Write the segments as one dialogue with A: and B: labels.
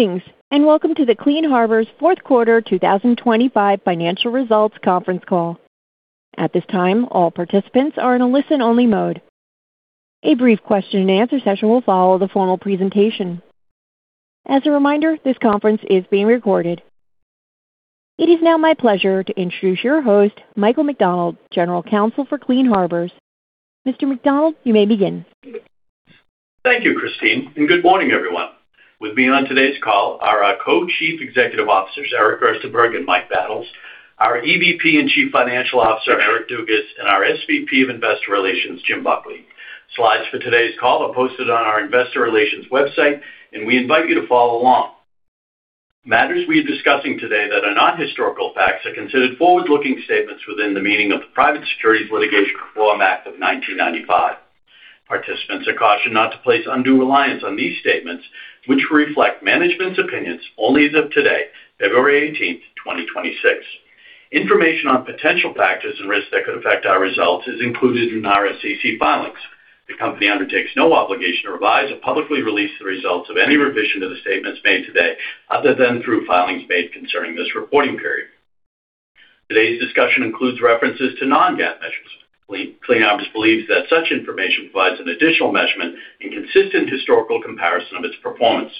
A: Greetings, and welcome to the Clean Harbors Fourth Quarter 2025 Financial Results Conference Call. At this time, all participants are in a listen-only mode. A brief question and answer session will follow the formal presentation. As a reminder, this conference is being recorded. It is now my pleasure to introduce your host, Michael McDonald, General Counsel for Clean Harbors. Mr. McDonald, you may begin.
B: Thank you, Christine, and good morning, everyone. With me on today's call are our Co-Chief Executive Officers, Eric Gerstenberg and Mike Battles, our EVP and Chief Financial Officer, Eric Dugas, and our SVP of Investor Relations, Jim Buckley. Slides for today's call are posted on our investor relations website, and we invite you to follow along. Matters we are discussing today that are not historical facts are considered forward-looking statements within the meaning of the Private Securities Litigation Reform Act of 1995. Participants are cautioned not to place undue reliance on these statements, which reflect management's opinions only as of today, February 18, 2026. Information on potential factors and risks that could affect our results is included in our SEC filings. The company undertakes no obligation to revise or publicly release the results of any revision to the statements made today, other than through filings made concerning this reporting period. Today's discussion includes references to non-GAAP measures. Clean Harbors believes that such information provides an additional measurement and consistent historical comparison of its performance.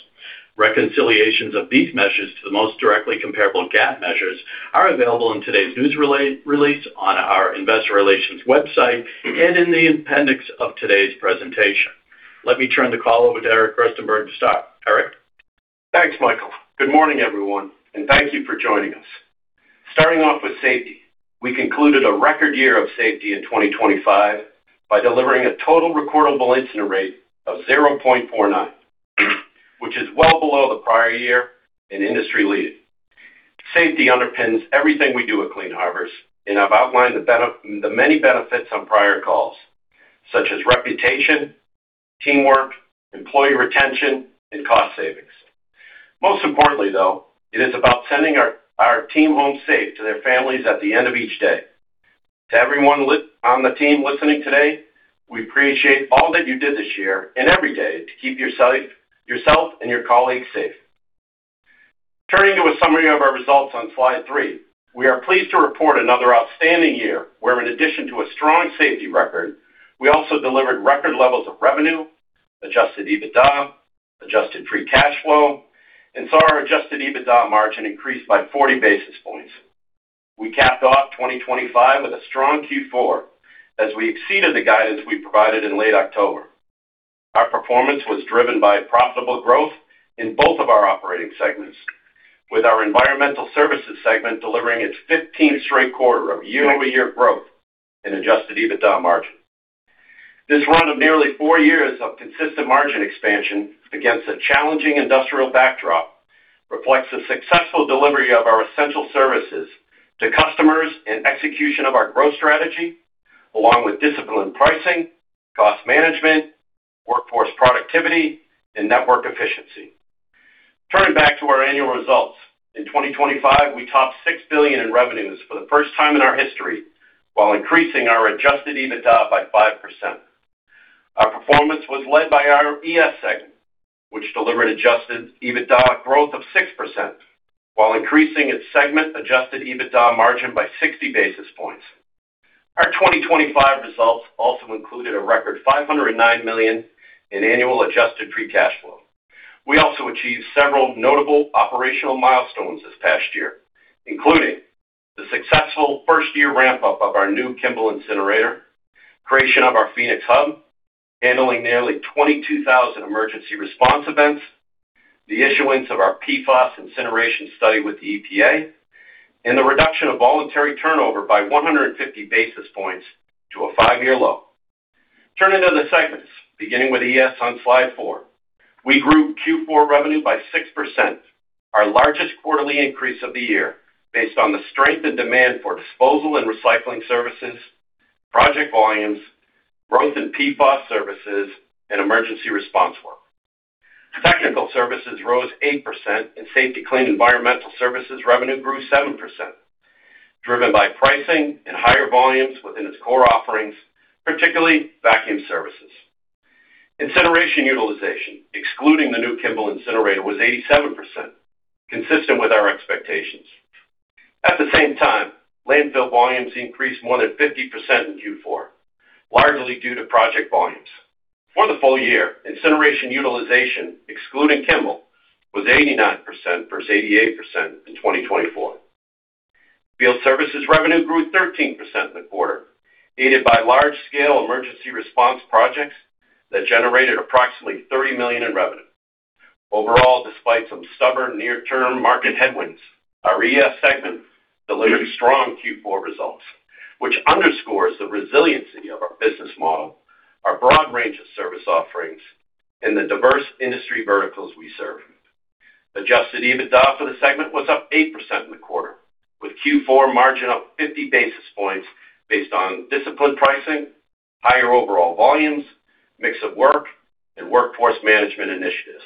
B: Reconciliations of these measures to the most directly comparable GAAP measures are available in today's news release, on our investor relations website, and in the appendix of today's presentation. Let me turn the call over to Eric Gerstenberg to start. Eric?
C: Thanks, Michael. Good morning, everyone, and thank you for joining us. Starting off with safety. We concluded a record year of safety in 2025 by delivering a total recordable incident rate of 0.49, which is well below the prior year and industry leading. Safety underpins everything we do at Clean Harbors, and I've outlined the many benefits on prior calls, such as reputation, teamwork, employee retention, and cost savings. Most importantly, though, it is about sending our team home safe to their families at the end of each day. To everyone on the team listening today, we appreciate all that you did this year and every day to keep yourself and your colleagues safe. Turning to a summary of our results on slide three. We are pleased to report another outstanding year, where in addition to a strong safety record, we also delivered record levels of revenue, Adjusted EBITDA, Adjusted Free Cash Flow, and saw our Adjusted EBITDA margin increase by 40 basis points. We capped off 2025 with a strong Q4 as we exceeded the guidance we provided in late October. Our performance was driven by profitable growth in both of our operating segments, with our Environmental Services segment delivering its 15th straight quarter of year-over-year growth in Adjusted EBITDA margin. This run of nearly four years of consistent margin expansion against a challenging industrial backdrop reflects the successful delivery of our essential services to customers and execution of our growth strategy, along with disciplined pricing, cost management, workforce productivity, and network efficiency. Turning back to our annual results. In 2025, we topped $6 billion in revenues for the first time in our history, while increasing our adjusted EBITDA by 5%. Our performance was led by our ES segment, which delivered adjusted EBITDA growth of 6% while increasing its segment adjusted EBITDA margin by 60 basis points. Our 2025 results also included a record $509 million in annual adjusted free cash flow. We also achieved several notable operational milestones this past year, including the successful first-year ramp-up of our new Kimball Incinerator, creation of our Phoenix Hub, handling nearly 22,000 emergency response events, the issuance of our PFAS incineration study with the EPA, and the reduction of voluntary turnover by 150 basis points to a five-year low. Turning to the segments, beginning with ES on slide four. We grew Q4 revenue by 6%, our largest quarterly increase of the year, based on the strength and demand for disposal and recycling services, project volumes, growth in PFAS services, and emergency response work. Technical Services rose 8%, and Safety-Kleen Environmental Services revenue grew 7%, driven by pricing and higher volumes within its core offerings, particularly vacuum services. Incineration utilization, excluding the new Kimball Incinerator, was 87%, consistent with our expectations. At the same time, landfill volumes increased more than 50% in Q4, largely due to project volumes. For the full year, incineration utilization, excluding Kimball, was 89% versus 88% in 2024. Field Services revenue grew 13% in the quarter, aided by large-scale emergency response projects that generated approximately $30 million in revenue. Overall, despite some stubborn near-term market headwinds, our ES segment delivered strong Q4 results, which underscores the resiliency of our business model, our broad range of service offerings, and the diverse industry verticals we serve. Adjusted EBITDA for the segment was up 8% in the quarter, with Q4 margin up 50 basis points based on disciplined pricing, higher overall volumes, mix of work, and workforce management initiatives.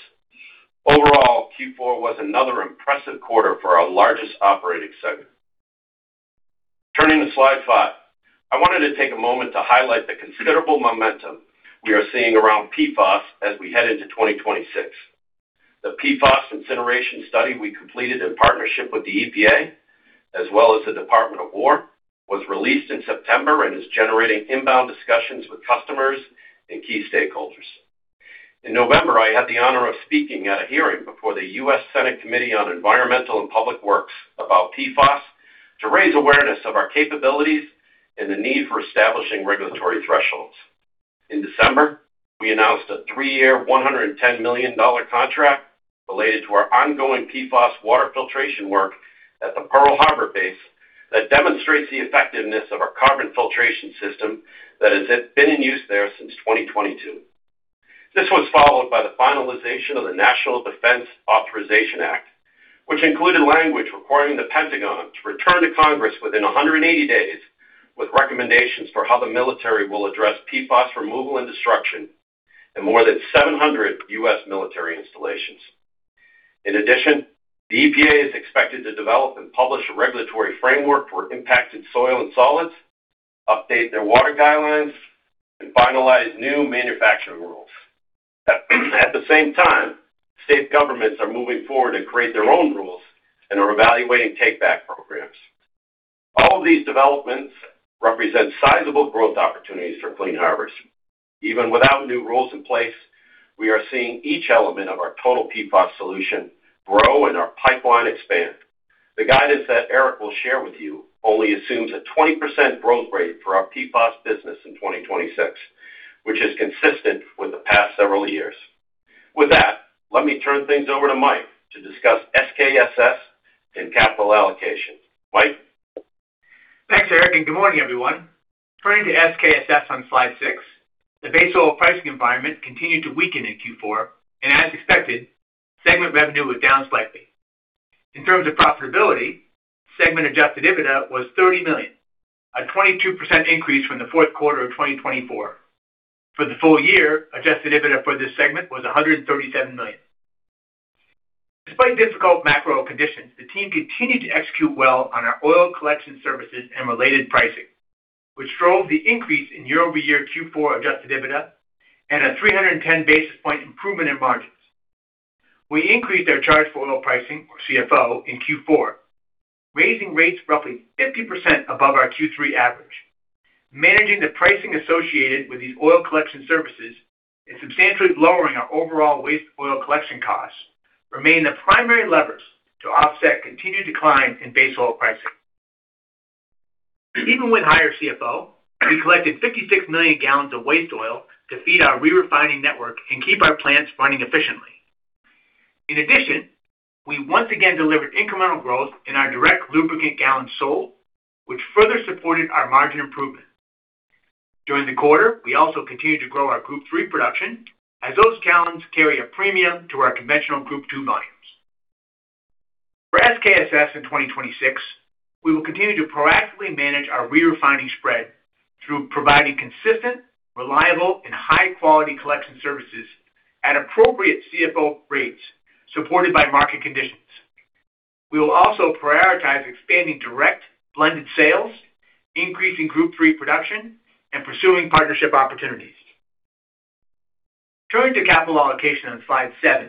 C: Overall, Q4 was another impressive quarter for our largest operating segment. Turning to slide 5. I wanted to take a moment to highlight the considerable momentum we are seeing around PFAS as we head into 2026. The PFAS incineration study we completed in partnership with the EPA, as well as the Department of Defense, was released in September and is generating inbound discussions with customers and key stakeholders. In November, I had the honor of speaking at a hearing before the U.S. Senate Committee on Environmental and Public Works about PFAS, to raise awareness of our capabilities and the need for establishing regulatory thresholds. In December, we announced a three-year, $110 million contract related to our ongoing PFAS water filtration work at the Pearl Harbor Base, that demonstrates the effectiveness of our carbon filtration system that has been in use there since 2022. This was followed by the finalization of the National Defense Authorization Act, which included language requiring the Pentagon to return to Congress within 180 days, with recommendations for how the military will address PFAS removal and destruction in more than 700 U.S. military installations. In addition, the EPA is expected to develop and publish a regulatory framework for impacted soil and solids, update their water guidelines, and finalize new manufacturing rules. At the same time, state governments are moving forward to create their own rules and are evaluating take-back programs. All of these developments represent sizable growth opportunities for Clean Harbors. Even without new rules in place, we are seeing each element of our total PFAS solution grow and our pipeline expand. The guidance that Eric will share with you only assumes a 20% growth rate for our PFAS business in 2026, which is consistent with the past several years. With that, let me turn things over to Mike to discuss SKSS and capital allocation. Mike?
D: Thanks, Eric, and good morning, everyone. Turning to SKSS on slide six, the base oil pricing environment continued to weaken in Q4, and as expected, segment revenue was down slightly. In terms of profitability, segment adjusted EBITDA was $30 million, a 22% increase from the fourth quarter of 2024. For the full year, adjusted EBITDA for this segment was $137 million. Despite difficult macro conditions, the team continued to execute well on our oil collection services and related pricing, which drove the increase in year-over-year Q4 adjusted EBITDA and a 310 basis point improvement in margins. We increased our charge for oil pricing, or CFO, in Q4, raising rates roughly 50% above our Q3 average. Managing the pricing associated with these oil collection services and substantially lowering our overall waste oil collection costs, remain the primary levers to offset continued decline in base oil pricing. Even with higher CFO, we collected 56 million gallons of waste oil to feed our re-refining network and keep our plants running efficiently. In addition, we once again delivered incremental growth in our direct lubricant gallons sold, which further supported our margin improvement. During the quarter, we also continued to grow our Group Three production, as those gallons carry a premium to our conventional Group Two volumes. For SKSS in 2026, we will continue to proactively manage our re-refining spread through providing consistent, reliable, and high-quality collection services at appropriate CFO rates, supported by market conditions. We will also prioritize expanding direct blended sales, increasing Group Three production, and pursuing partnership opportunities. Turning to capital allocation on slide seven,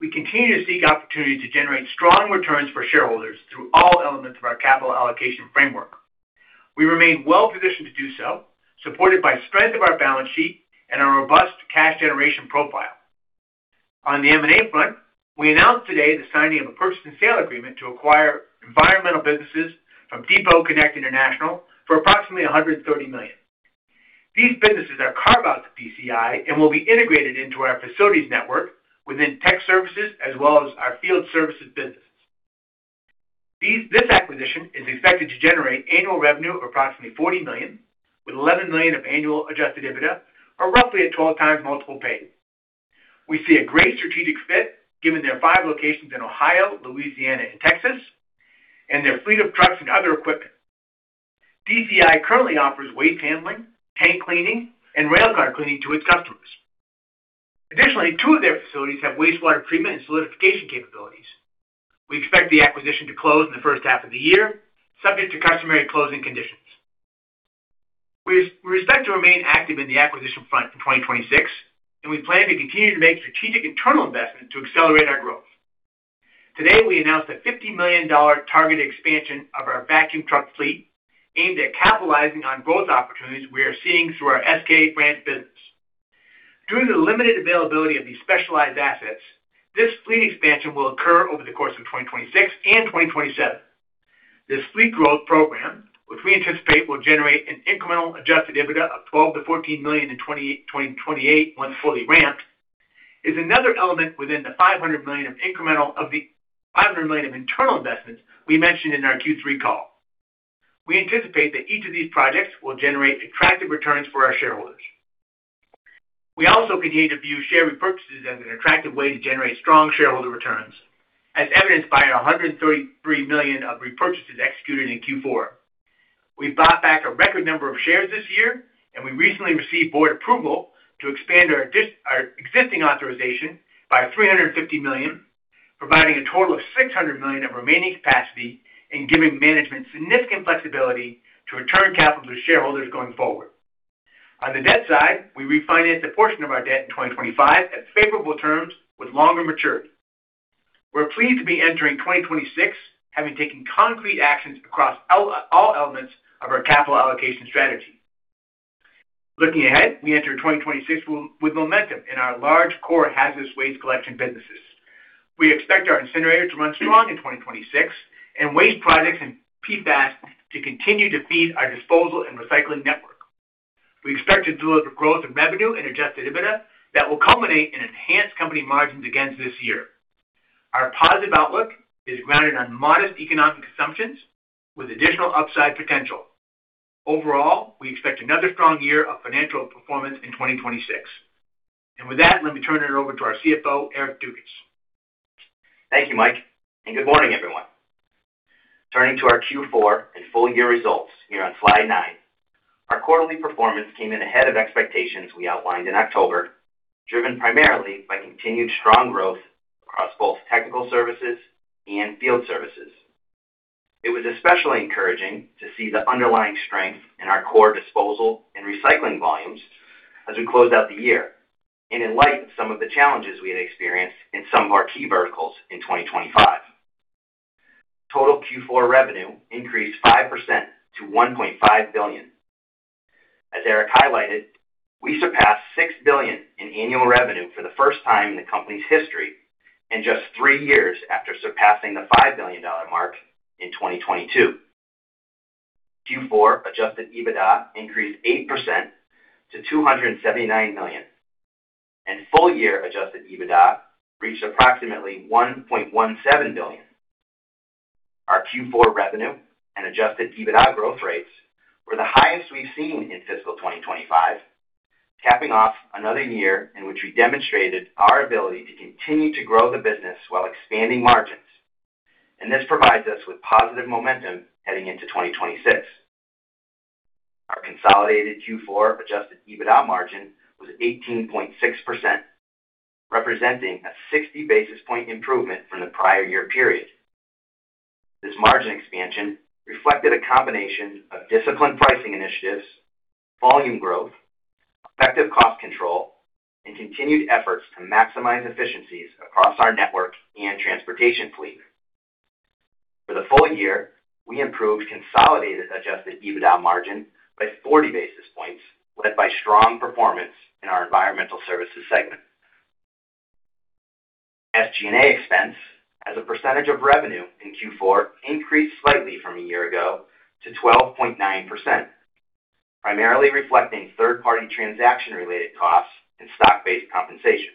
D: we continue to seek opportunities to generate strong returns for shareholders through all elements of our capital allocation framework. We remain well-positioned to do so, supported by strength of our balance sheet and our robust cash generation profile. On the M&A front, we announced today the signing of a purchase and sale agreement to acquire environmental businesses from Depot Connect International for approximately $130 million. These businesses are carve-outs of DCI and will be integrated into our facilities network within tech services as well as our Field Services businesses. This acquisition is expected to generate annual revenue of approximately $40 million, with $11 million of annual Adjusted EBITDA, or roughly a 12x multiple. We see a great strategic fit given their five locations in Ohio, Louisiana, and Texas, and their fleet of trucks and other equipment. DCI currently offers waste handling, tank cleaning, and rail car cleaning to its customers. Additionally, two of their facilities have wastewater treatment and solidification capabilities. We expect the acquisition to close in the first half of the year, subject to customary closing conditions. We expect to remain active in the acquisition front in 2026, and we plan to continue to make strategic internal investments to accelerate our growth. Today, we announced a $50 million targeted expansion of our vacuum truck fleet, aimed at capitalizing on growth opportunities we are seeing through our SK brand business. Due to the limited availability of these specialized assets, this fleet expansion will occur over the course of 2026 and 2027. This fleet growth program, which we anticipate will generate an incremental Adjusted EBITDA of $12 million-$14 million in 2028, once fully ramped, is another element within the $500 million of incremental of the $500 million of internal investments we mentioned in our Q3 call. We anticipate that each of these projects will generate attractive returns for our shareholders. We also continue to view share repurchases as an attractive way to generate strong shareholder returns, as evidenced by $133 million of repurchases executed in Q4. We bought back a record number of shares this year, and we recently received board approval to expand our our existing authorization by $350 million, providing a total of $600 million of remaining capacity and giving management significant flexibility to return capital to shareholders going forward. On the debt side, we refinanced a portion of our debt in 2025 at favorable terms with longer maturity. We're pleased to be entering 2026, having taken concrete actions across all elements of our capital allocation strategy. Looking ahead, we enter 2026 with momentum in our large core hazardous waste collection businesses. We expect our incinerator to run strong in 2026, and waste projects and PFAS to continue to feed our disposal and recycling network. We expect to deliver growth in revenue and Adjusted EBITDA that will culminate in enhanced company margins against this year. Our positive outlook is grounded on modest economic assumptions with additional upside potential. Overall, we expect another strong year of financial performance in 2026. And with that, let me turn it over to our CFO, Eric Dugas.
E: Thank you, Mike, and good morning, everyone. Turning to our Q4 and full year results here on slide nine. Our quarterly performance came in ahead of expectations we outlined in October, driven primarily by continued strong growth across both Technical Services and Field Services. It was especially encouraging to see the underlying strength in our core disposal and recycling volumes as we closed out the year, and in light of some of the challenges we had experienced in some of our key verticals in 2025. Total Q4 revenue increased 5% to $1.5 billion. As Eric highlighted, we surpassed $6 billion in annual revenue for the first time in the company's history, in just three years after surpassing the $5 billion mark in 2022. Q4 adjusted EBITDA increased 8% to $279 million, and full year adjusted EBITDA reached approximately $1.17 billion. Our Q4 revenue and adjusted EBITDA growth rates were the highest we've seen in fiscal 2025, capping off another year in which we demonstrated our ability to continue to grow the business while expanding margins. And this provides us with positive momentum heading into 2026. Our consolidated Q4 adjusted EBITDA margin was 18.6%, representing a 60 basis point improvement from the prior year period. This margin expansion reflected a combination of disciplined pricing initiatives, volume growth, effective cost control, and continued efforts to maximize efficiencies across our network and transportation fleet. For the full year, we improved consolidated adjusted EBITDA margin by 40 basis points, led by strong performance in our environmental services segment. SG&A expense as a percentage of revenue in Q4 increased slightly from a year ago to 12.9%, primarily reflecting third-party transaction-related costs and stock-based compensation.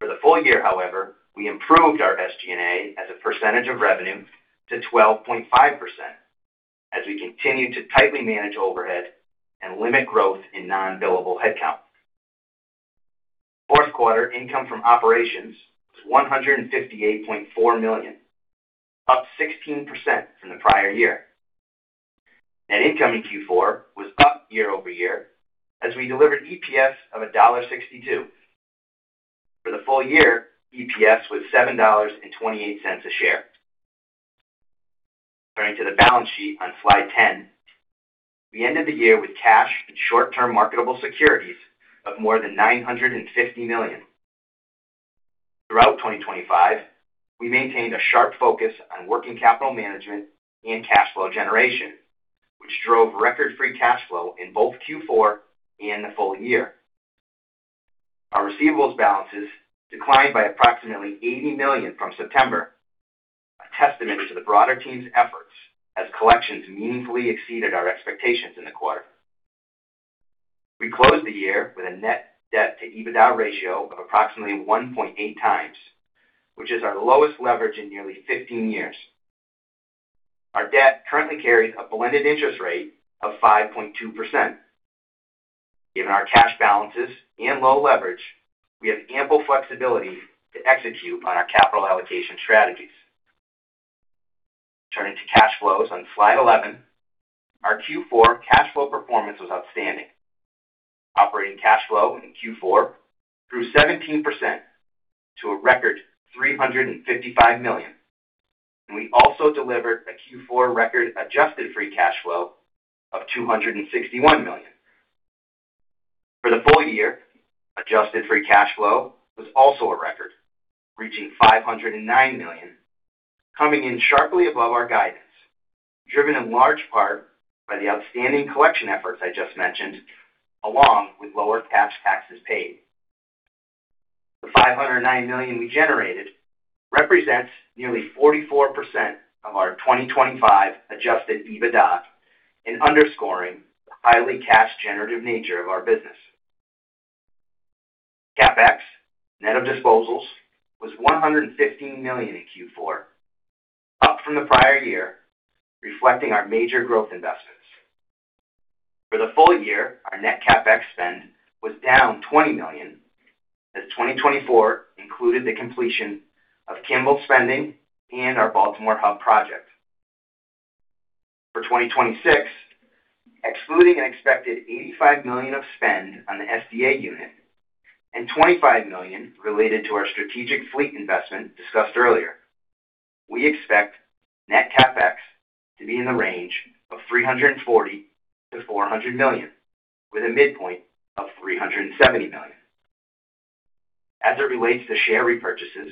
E: For the full year, however, we improved our SG&A as a percentage of revenue to 12.5% as we continued to tightly manage overhead and limit growth in non-billable headcount. Fourth quarter income from operations was $158.4 million, up 16% from the prior year. Net income in Q4 was up year over year as we delivered EPS of $1.62. For the full year, EPS was $7.28 a share. Turning to the balance sheet on slide 10. We ended the year with cash and short-term marketable securities of more than $950 million. Throughout 2025, we maintained a sharp focus on working capital management and cash flow generation, which drove record free cash flow in both Q4 and the full year. Our receivables balances declined by approximately $80 million from September, a testament to the broader team's efforts as collections meaningfully exceeded our expectations in the quarter. We closed the year with a net debt to EBITDA ratio of approximately 1.8x, which is our lowest leverage in nearly 15 years. Our debt currently carries a blended interest rate of 5.2%. Given our cash balances and low leverage, we have ample flexibility to execute on our capital allocation strategies. Turning to cash flows on Slide 11, our Q4 cash flow performance was outstanding. Operating cash flow in Q4 grew 17% to a record $355 million, and we also delivered a Q4 record adjusted free cash flow of $261 million. For the full year, adjusted free cash flow was also a record, reaching $509 million, coming in sharply above our guidance, driven in large part by the outstanding collection efforts I just mentioned, along with lower cash taxes paid. The $509 million we generated represents nearly 44% of our 2025 adjusted EBITDA in underscoring the highly cash generative nature of our business. CapEx, net of disposals, was $115 million in Q4, up from the prior year, reflecting our major growth investments. For the full year, our Net CapEx spend was down $20 million, as 2024 included the completion of Kimball spending and our Baltimore Hub project. For 2026, excluding an expected $85 million of spend on the SDA unit and $25 million related to our strategic fleet investment discussed earlier, we expect Net CapEx to be in the range of $340 million-$400 million, with a midpoint of $370 million. As it relates to share repurchases,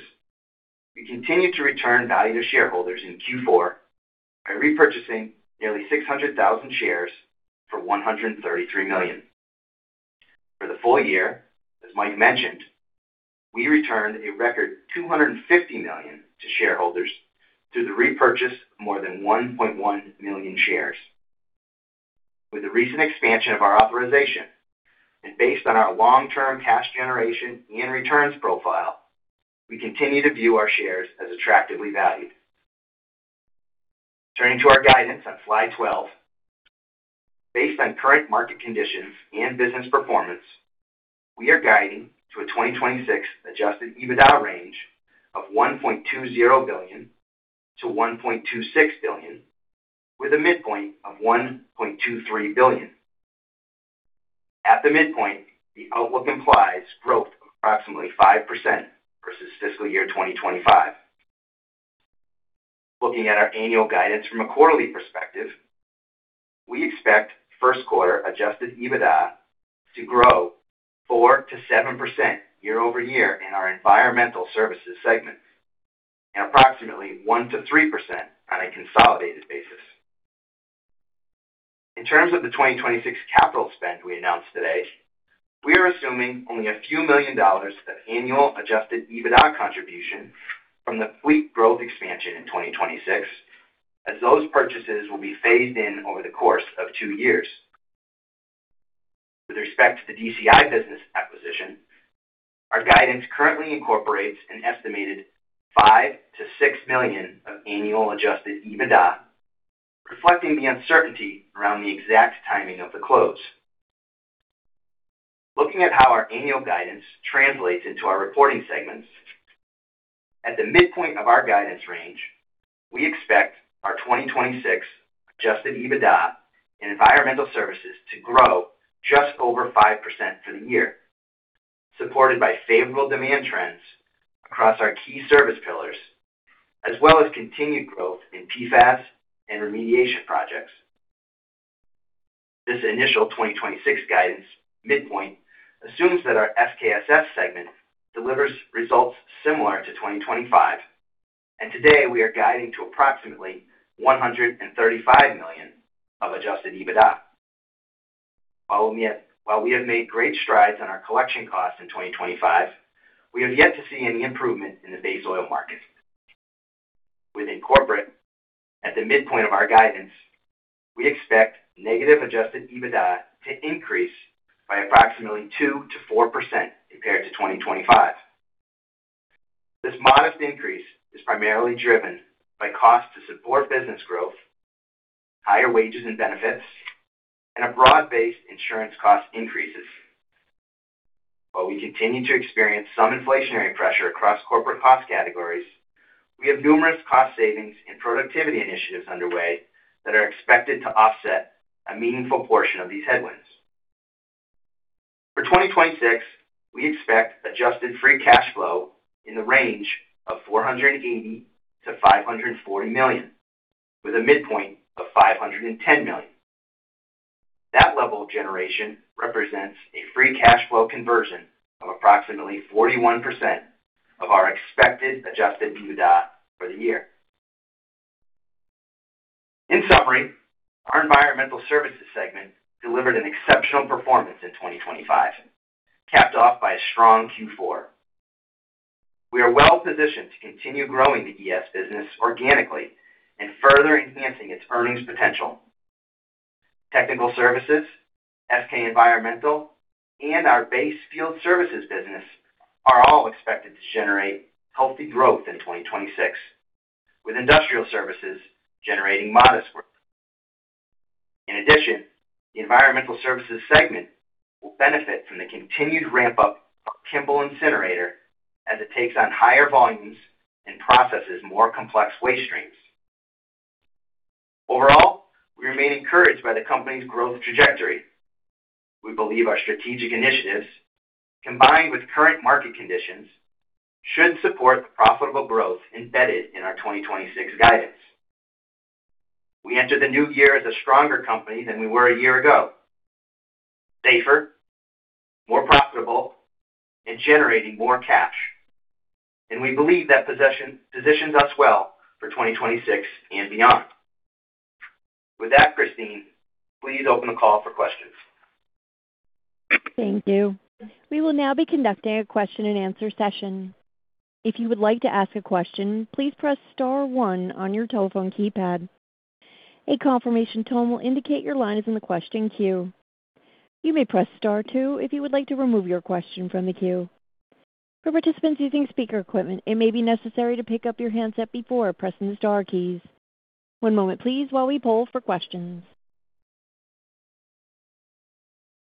E: we continued to return value to shareholders in Q4 by repurchasing nearly 600,000 shares for $133 million. For the full year, as Mike mentioned, we returned a record $250 million to shareholders through the repurchase of more than 1.1 million shares. With the recent expansion of our authorization, and based on our long-term cash generation and returns profile, we continue to view our shares as attractively valued. Turning to our guidance on slide 12. Based on current market conditions and business performance, we are guiding to a 2026 Adjusted EBITDA range of $1.20 billion-$1.26 billion, with a midpoint of $1.23 billion. At the midpoint, the outlook implies growth of approximately 5% versus fiscal year 2025. Looking at our annual guidance from a quarterly perspective, we expect first quarter Adjusted EBITDA to grow 4%-7% year-over-year in our environmental services segment, and approximately 1%-3% on a consolidated basis. In terms of the 2026 capital spend we announced today, we are assuming only a few million dollars of annual Adjusted EBITDA contribution from the fleet growth expansion in 2026, as those purchases will be phased in over the course of two years. With respect to the DCI business acquisition, our guidance currently incorporates an estimated $5 million-$6 million of annual Adjusted EBITDA, reflecting the uncertainty around the exact timing of the close. Looking at how our annual guidance translates into our reporting segments, at the midpoint of our guidance range, we expect our 2026 Adjusted EBITDA and environmental services to grow just over 5% for the year, supported by favorable demand trends across our key service pillars, as well as continued growth in PFAS and remediation projects. This initial 2026 guidance midpoint assumes that our SKSS segment delivers results similar to 2025, and today we are guiding to approximately $135 million of adjusted EBITDA. While we have made great strides on our collection costs in 2025, we have yet to see any improvement in the base oil market. Within corporate, at the midpoint of our guidance, we expect negative adjusted EBITDA to increase by approximately 2%-4% compared to 2025. This modest increase is primarily driven by costs to support business growth, higher wages and benefits, and a broad-based insurance cost increases. While we continue to experience some inflationary pressure across corporate cost categories, we have numerous cost savings and productivity initiatives underway that are expected to offset a meaningful portion of these headwinds. For 2026, we expect adjusted free cash flow in the range of $480 million-$540 million, with a midpoint of $510 million. That level of generation represents a free cash flow conversion of approximately 41% of our expected Adjusted EBITDA for the year. In summary, our Environmental Services segment delivered an exceptional performance in 2025, capped off by a strong Q4. We are well positioned to continue growing the ES business organically and further enhancing its earnings potential. Technical Services, SK Environmental, and our base Field Services business are all expected to generate healthy growth in 2026, with Industrial Services generating modest growth. In addition, the Environmental Services segment will benefit from the continued ramp-up of Kimball Incinerator as it takes on higher volumes and processes more complex waste streams. Overall, we remain encouraged by the company's growth trajectory. We believe our strategic initiatives, combined with current market conditions, should support the profitable growth embedded in our 2026 guidance. We enter the new year as a stronger company than we were a year ago, safer, more profitable, and generating more cash, and we believe that positions us well for 2026 and beyond. With that, Christine, please open the call for questions.
A: Thank you. We will now be conducting a question and answer session. If you would like to ask a question, please press star one on your telephone keypad. A confirmation tone will indicate your line is in the question queue. You may press star two if you would like to remove your question from the queue. For participants using speaker equipment, it may be necessary to pick up your handset before pressing the star keys. One moment please while we poll for questions.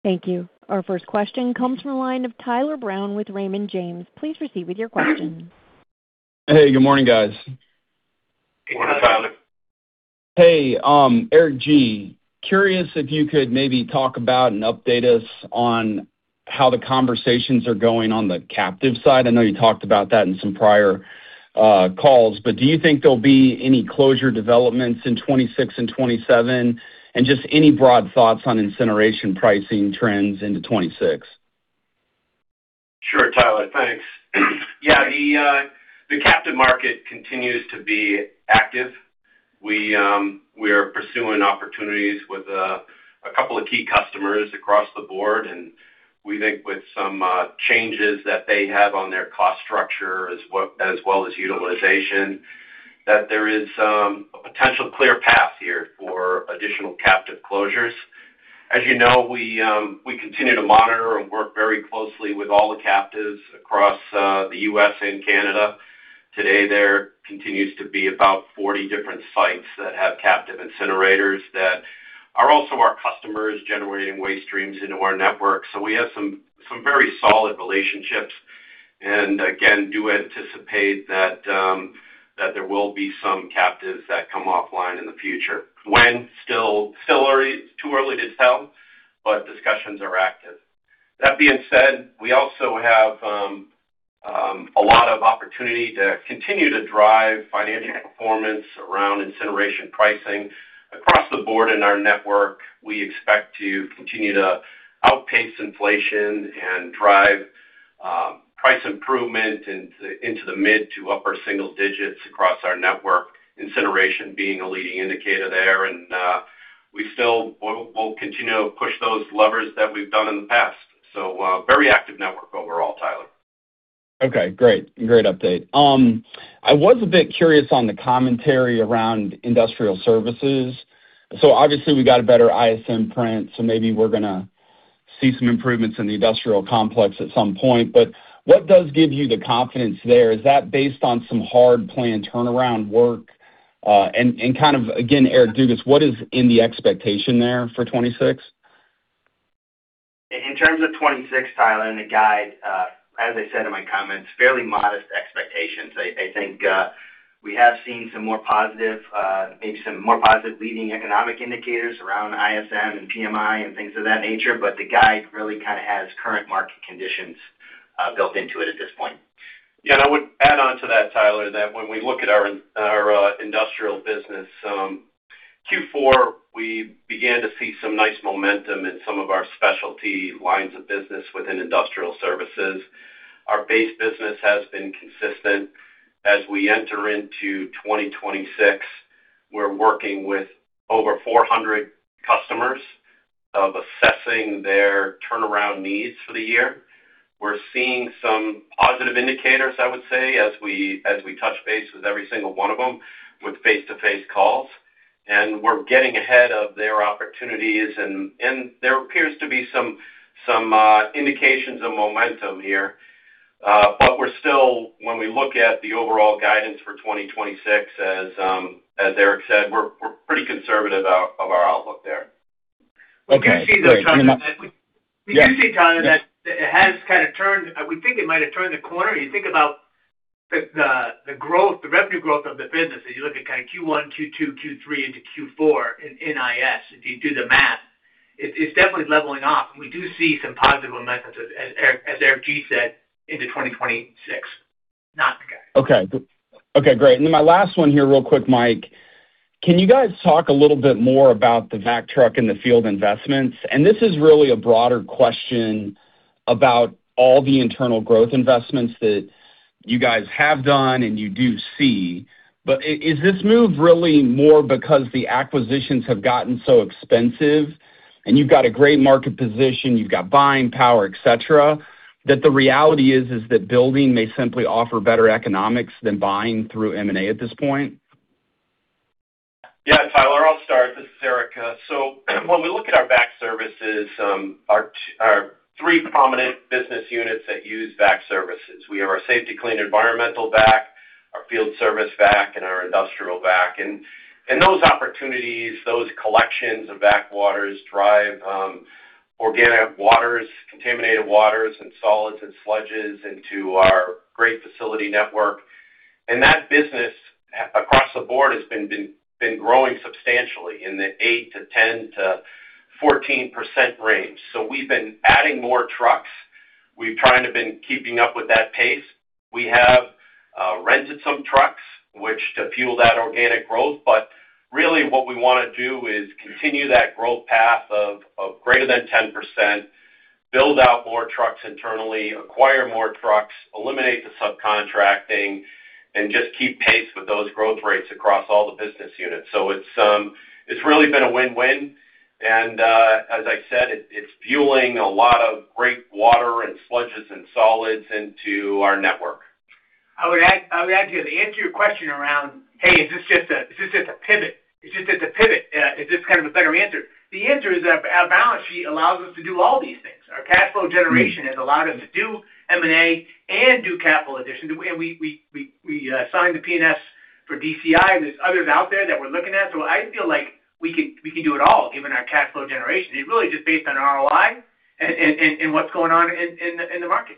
A: Thank you. Our first question comes from the line of Tyler Brown with Raymond James. Please proceed with your question.
F: Hey, good morning, guys.
C: Good morning, Tyler.
F: Hey, Eric G, curious if you could maybe talk about and update us on how the conversations are going on the captive side. I know you talked about that in some prior calls, but do you think there'll be any closure developments in 2026 and 2027? And just any broad thoughts on incineration pricing trends into 2026.
C: Sure, Tyler, thanks. Yeah, the captive market continues to be active. We are pursuing opportunities with a couple of key customers across the board, and we think with some changes that they have on their cost structure, as well as utilization, that there is a potential clear path here for additional captive closures. As you know, we continue to monitor and work very closely with all the captives across the U.S. and Canada. Today, there continues to be about 40 different sites that have captive incinerators that are also our customers, generating waste streams into our network. So we have some very solid relationships, and again, do anticipate that there will be some captives that come offline in the future. When? Still early, too early to tell, but discussions are active. That being said, we also have a lot of opportunity to continue to drive financial performance around incineration pricing. Across the board in our network, we expect to continue to outpace inflation and drive price improvement into the mid to upper single digits across our network, incineration being a leading indicator there, and we still... We'll continue to push those levers that we've done in the past. Very active network overall, Tyler.
F: Okay, great. Great update. I was a bit curious on the commentary around industrial services. So obviously, we got a better ISM print, so maybe we're gonna see some improvements in the industrial complex at some point. But what does give you the confidence there? Is that based on some hard planned turnaround work? And kind of, again, Eric Dugas, what is in the expectation there for 2026?
E: In terms of 26, Tyler, and the guide, as I said in my comments, fairly modest expectations. I think we have seen some more positive, maybe some more positive leading economic indicators around ISM and PMI and things of that nature, but the guide really kind of has current market conditions built into it at this point.
C: Yeah, and I would add on to that, Tyler, that when we look at our industrial business, Q4, we began to see some nice momentum in some of our specialty lines of business within industrial services. Our base business has been consistent. As we enter into 2026, we're working with over 400 customers of assessing their turnaround needs for the year. We're seeing some positive indicators, I would say, as we touch base with every single one of them with face-to-face calls, and we're getting ahead of their opportunities, and there appears to be some indications of momentum here. But we're still, when we look at the overall guidance for 2026, as Eric said, we're pretty conservative out of our outlook there.
F: Okay, great.
D: We do see, Tyler, that-
F: Yeah.
D: We do see, Tyler, that it has kind of turned... We think it might have turned the corner. You think about the growth, the revenue growth of the business, as you look at kind of Q1, Q2, Q3, into Q4 in IS, if you do the math, it's definitely leveling off, and we do see some positive momentum, as Eric G. said, into 2026, not the guide.
F: Okay. Okay, great. And then my last one here, real quick, Mike: can you guys talk a little bit more about the vac truck and the field investments? And this is really a broader question about all the internal growth investments that you guys have done and you do see. But is this move really more because the acquisitions have gotten so expensive and you've got a great market position, you've got buying power, et cetera, that the reality is, is that building may simply offer better economics than buying through M&A at this point?
C: Yeah, Tyler, I'll start. This is Eric. So when we look at our Vac services, our three prominent business units that use Vac services, we have our Safety-Kleen Environmental vac, our Field Services vac, and our Industrial Services vac. And those opportunities, those collections of vac waters drive organic waters, contaminated waters, and solids and sludges into our great facility network. And that business across the board has been growing substantially in the 8% to 10% to 14% range. So we've been adding more trucks. We've kind of been keeping up with that pace. We have rented some trucks, which to fuel that organic growth. But really, what we wanna do is continue that growth path of greater than 10%, build out more trucks internally, acquire more trucks, eliminate the subcontracting, and just keep pace with those growth rates across all the business units. So it's really been a win-win, and as I said, it's fueling a lot of great water and sludges and solids into our network.
D: I would add, I would add here, to answer your question around, Hey, is this just a, is this just a pivot? Is this just a pivot, is this kind of a better answer? The answer is our, our balance sheet allows us to do all these things. Our cash flow generation has allowed us to do M&A and do capital addition. And we, we, we, we, signed the P&S for DCI, and there's others out there that we're looking at. So I feel like we can, we can do it all, given our cash flow generation. It's really just based on ROI and, and, and what's going on in, in the, in the market.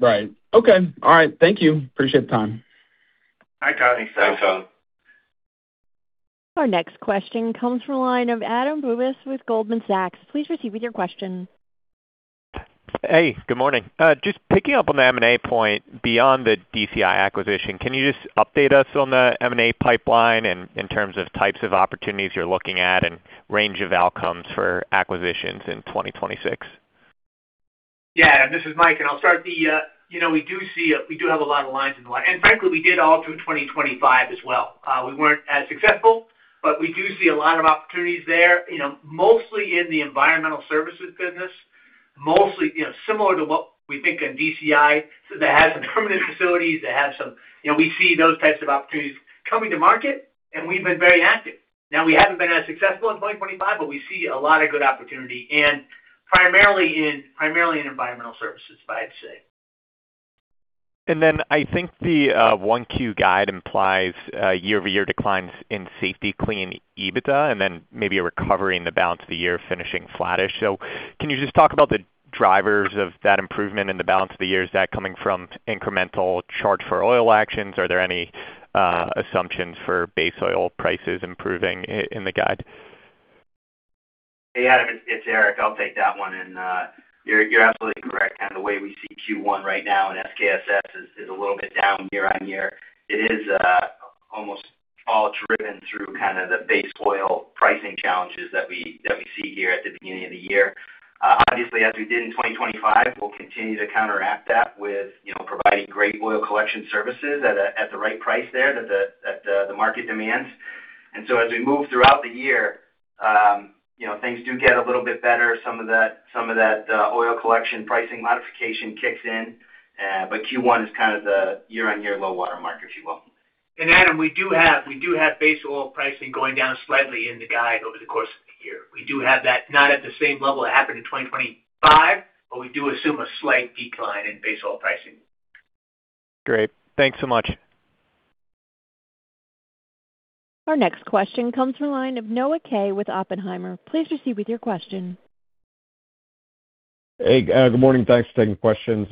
F: Right. Okay. All right. Thank you. Appreciate the time.
D: Bye, Tyler.
C: Thanks, Tyler.
A: Our next question comes from the line of Adam Bubes with Goldman Sachs. Please proceed with your question.
G: Hey, good morning. Just picking up on the M&A point, beyond the DCI acquisition, can you just update us on the M&A pipeline and in terms of types of opportunities you're looking at and range of outcomes for acquisitions in 2026?
D: Yeah, Adam, this is Mike, and I'll start the. You know, we do see a—we do have a lot of lines in the water, and frankly, we did all through 2025 as well. We weren't as successful, but we do see a lot of opportunities there, you know, mostly in the environmental services business, mostly, you know, similar to what we think in DCI, that has some permanent facilities, that have some. You know, we see those types of opportunities coming to market, and we've been very active. Now, we haven't been as successful in 2025, but we see a lot of good opportunity, and primarily in, primarily in environmental services, I'd say.
G: And then I think the 1Q guide implies a year-over-year decline in Safety-Kleen EBITDA, and then maybe a recovery in the balance of the year, finishing flattish. So can you just talk about the drivers of that improvement in the balance of the year? Is that coming from incremental charge for oil actions? Are there any assumptions for base oil prices improving in the guide?
C: Hey, Adam, it's Eric. I'll take that one. And you're absolutely correct. Kind of the way we see Q1 right now and SKSS is a little bit down year-on-year. It is almost all driven through kind of the base oil pricing challenges that we see here at the beginning of the year. Obviously, as we did in 2025, we'll continue to counteract that with you know providing great oil collection services at the right price there that the market demands. And so as we move throughout the year, you know things do get a little bit better. Some of that oil collection pricing modification kicks in but Q1 is kind of the year-on-year low water mark, if you will.
D: Adam, we do have base oil pricing going down slightly in the guide over the course of the year. We do have that, not at the same level it happened in 2025, but we do assume a slight decline in base oil pricing.
G: Great. Thanks so much.
A: Our next question comes from the line of Noah Kaye with Oppenheimer. Please proceed with your question.
H: Hey, good morning. Thanks for taking the questions.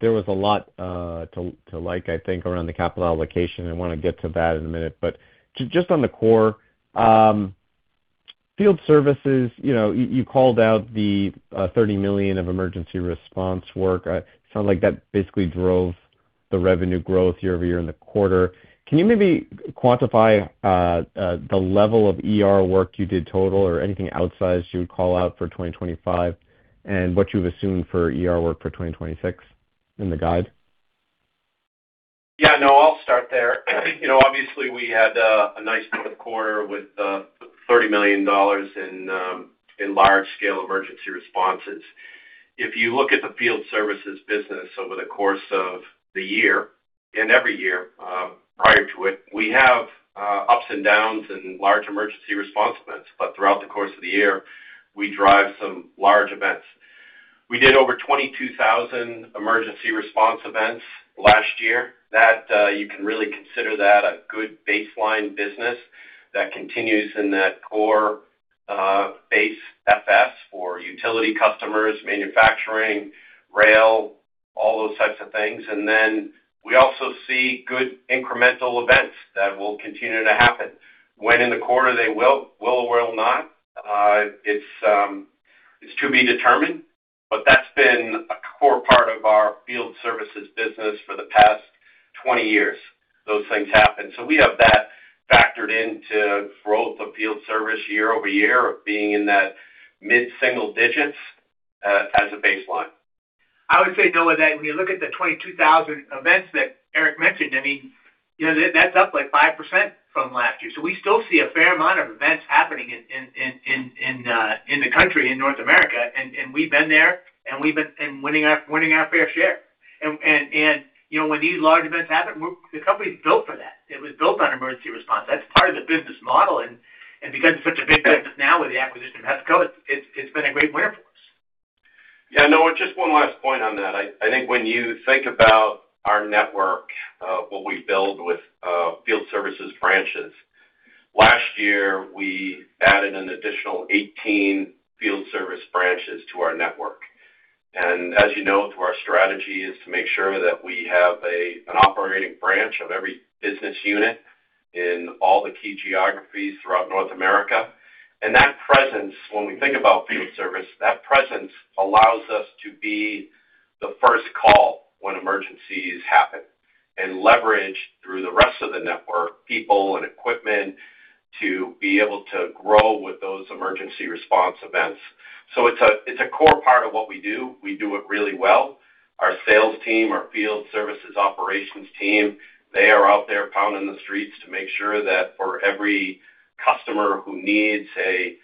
H: There was a lot to like, I think, around the capital allocation. I wanna get to that in a minute, but just on the core Field Services, you know, you called out the $30 million of emergency response work. Sounded like that basically drove the revenue growth year-over-year in the quarter. Can you maybe quantify the level of ER work you did total or anything outsized you would call out for 2025, and what you've assumed for ER work for 2026 in the guide?
C: Yeah, Noah, I'll start there. You know, obviously, we had a nice fourth quarter with $30 million in large-scale emergency responses. If you look at the Field Services business over the course of the year, and every year, prior to it, we have ups and downs in large emergency response events, but throughout the course of the year, we drive some large events. We did over 22,000 emergency response events last year. That you can really consider that a good baseline business that continues in that core base FS for utility customers, manufacturing, rail, all those types of things. And then we also see good incremental events that will continue to happen. When in the quarter they will or will not, it's to be determined, but that's been a core part of our Field Services business for the past 20 years. Those things happen. So we have that factored into growth of Field Services year-over-year, of being in that mid-single digits, as a baseline.
D: I would say, Noah, that when you look at the 22,000 events that Eric mentioned, I mean, you know, that's up, like, 5% from last year. So we still see a fair amount of events happening in the country, in North America, and we've been there, and we've been winning our fair share. And you know, when these large events happen, we're the company's built for that. It was built on emergency response. That's part of the business model, and because it's such a big business now with the acquisition of HEPACO, it's been a great enabler for us.
C: Yeah, Noah, just one last point on that. I, I think when you think about our network, what we build with Field Services branches, last year, we added an additional 18 field service branches to our network. And as you know, our strategy is to make sure that we have an operating branch of every business unit in all the key geographies throughout North America. And that presence, when we think about field service, that presence allows us to be the first call when emergencies happen, and leverage through the rest of the network, people and equipment, to be able to grow with those emergency response events. So it's a, it's a core part of what we do. We do it really well. Our sales team, our Field Services operations team, they are out there pounding the streets to make sure that for every customer who needs a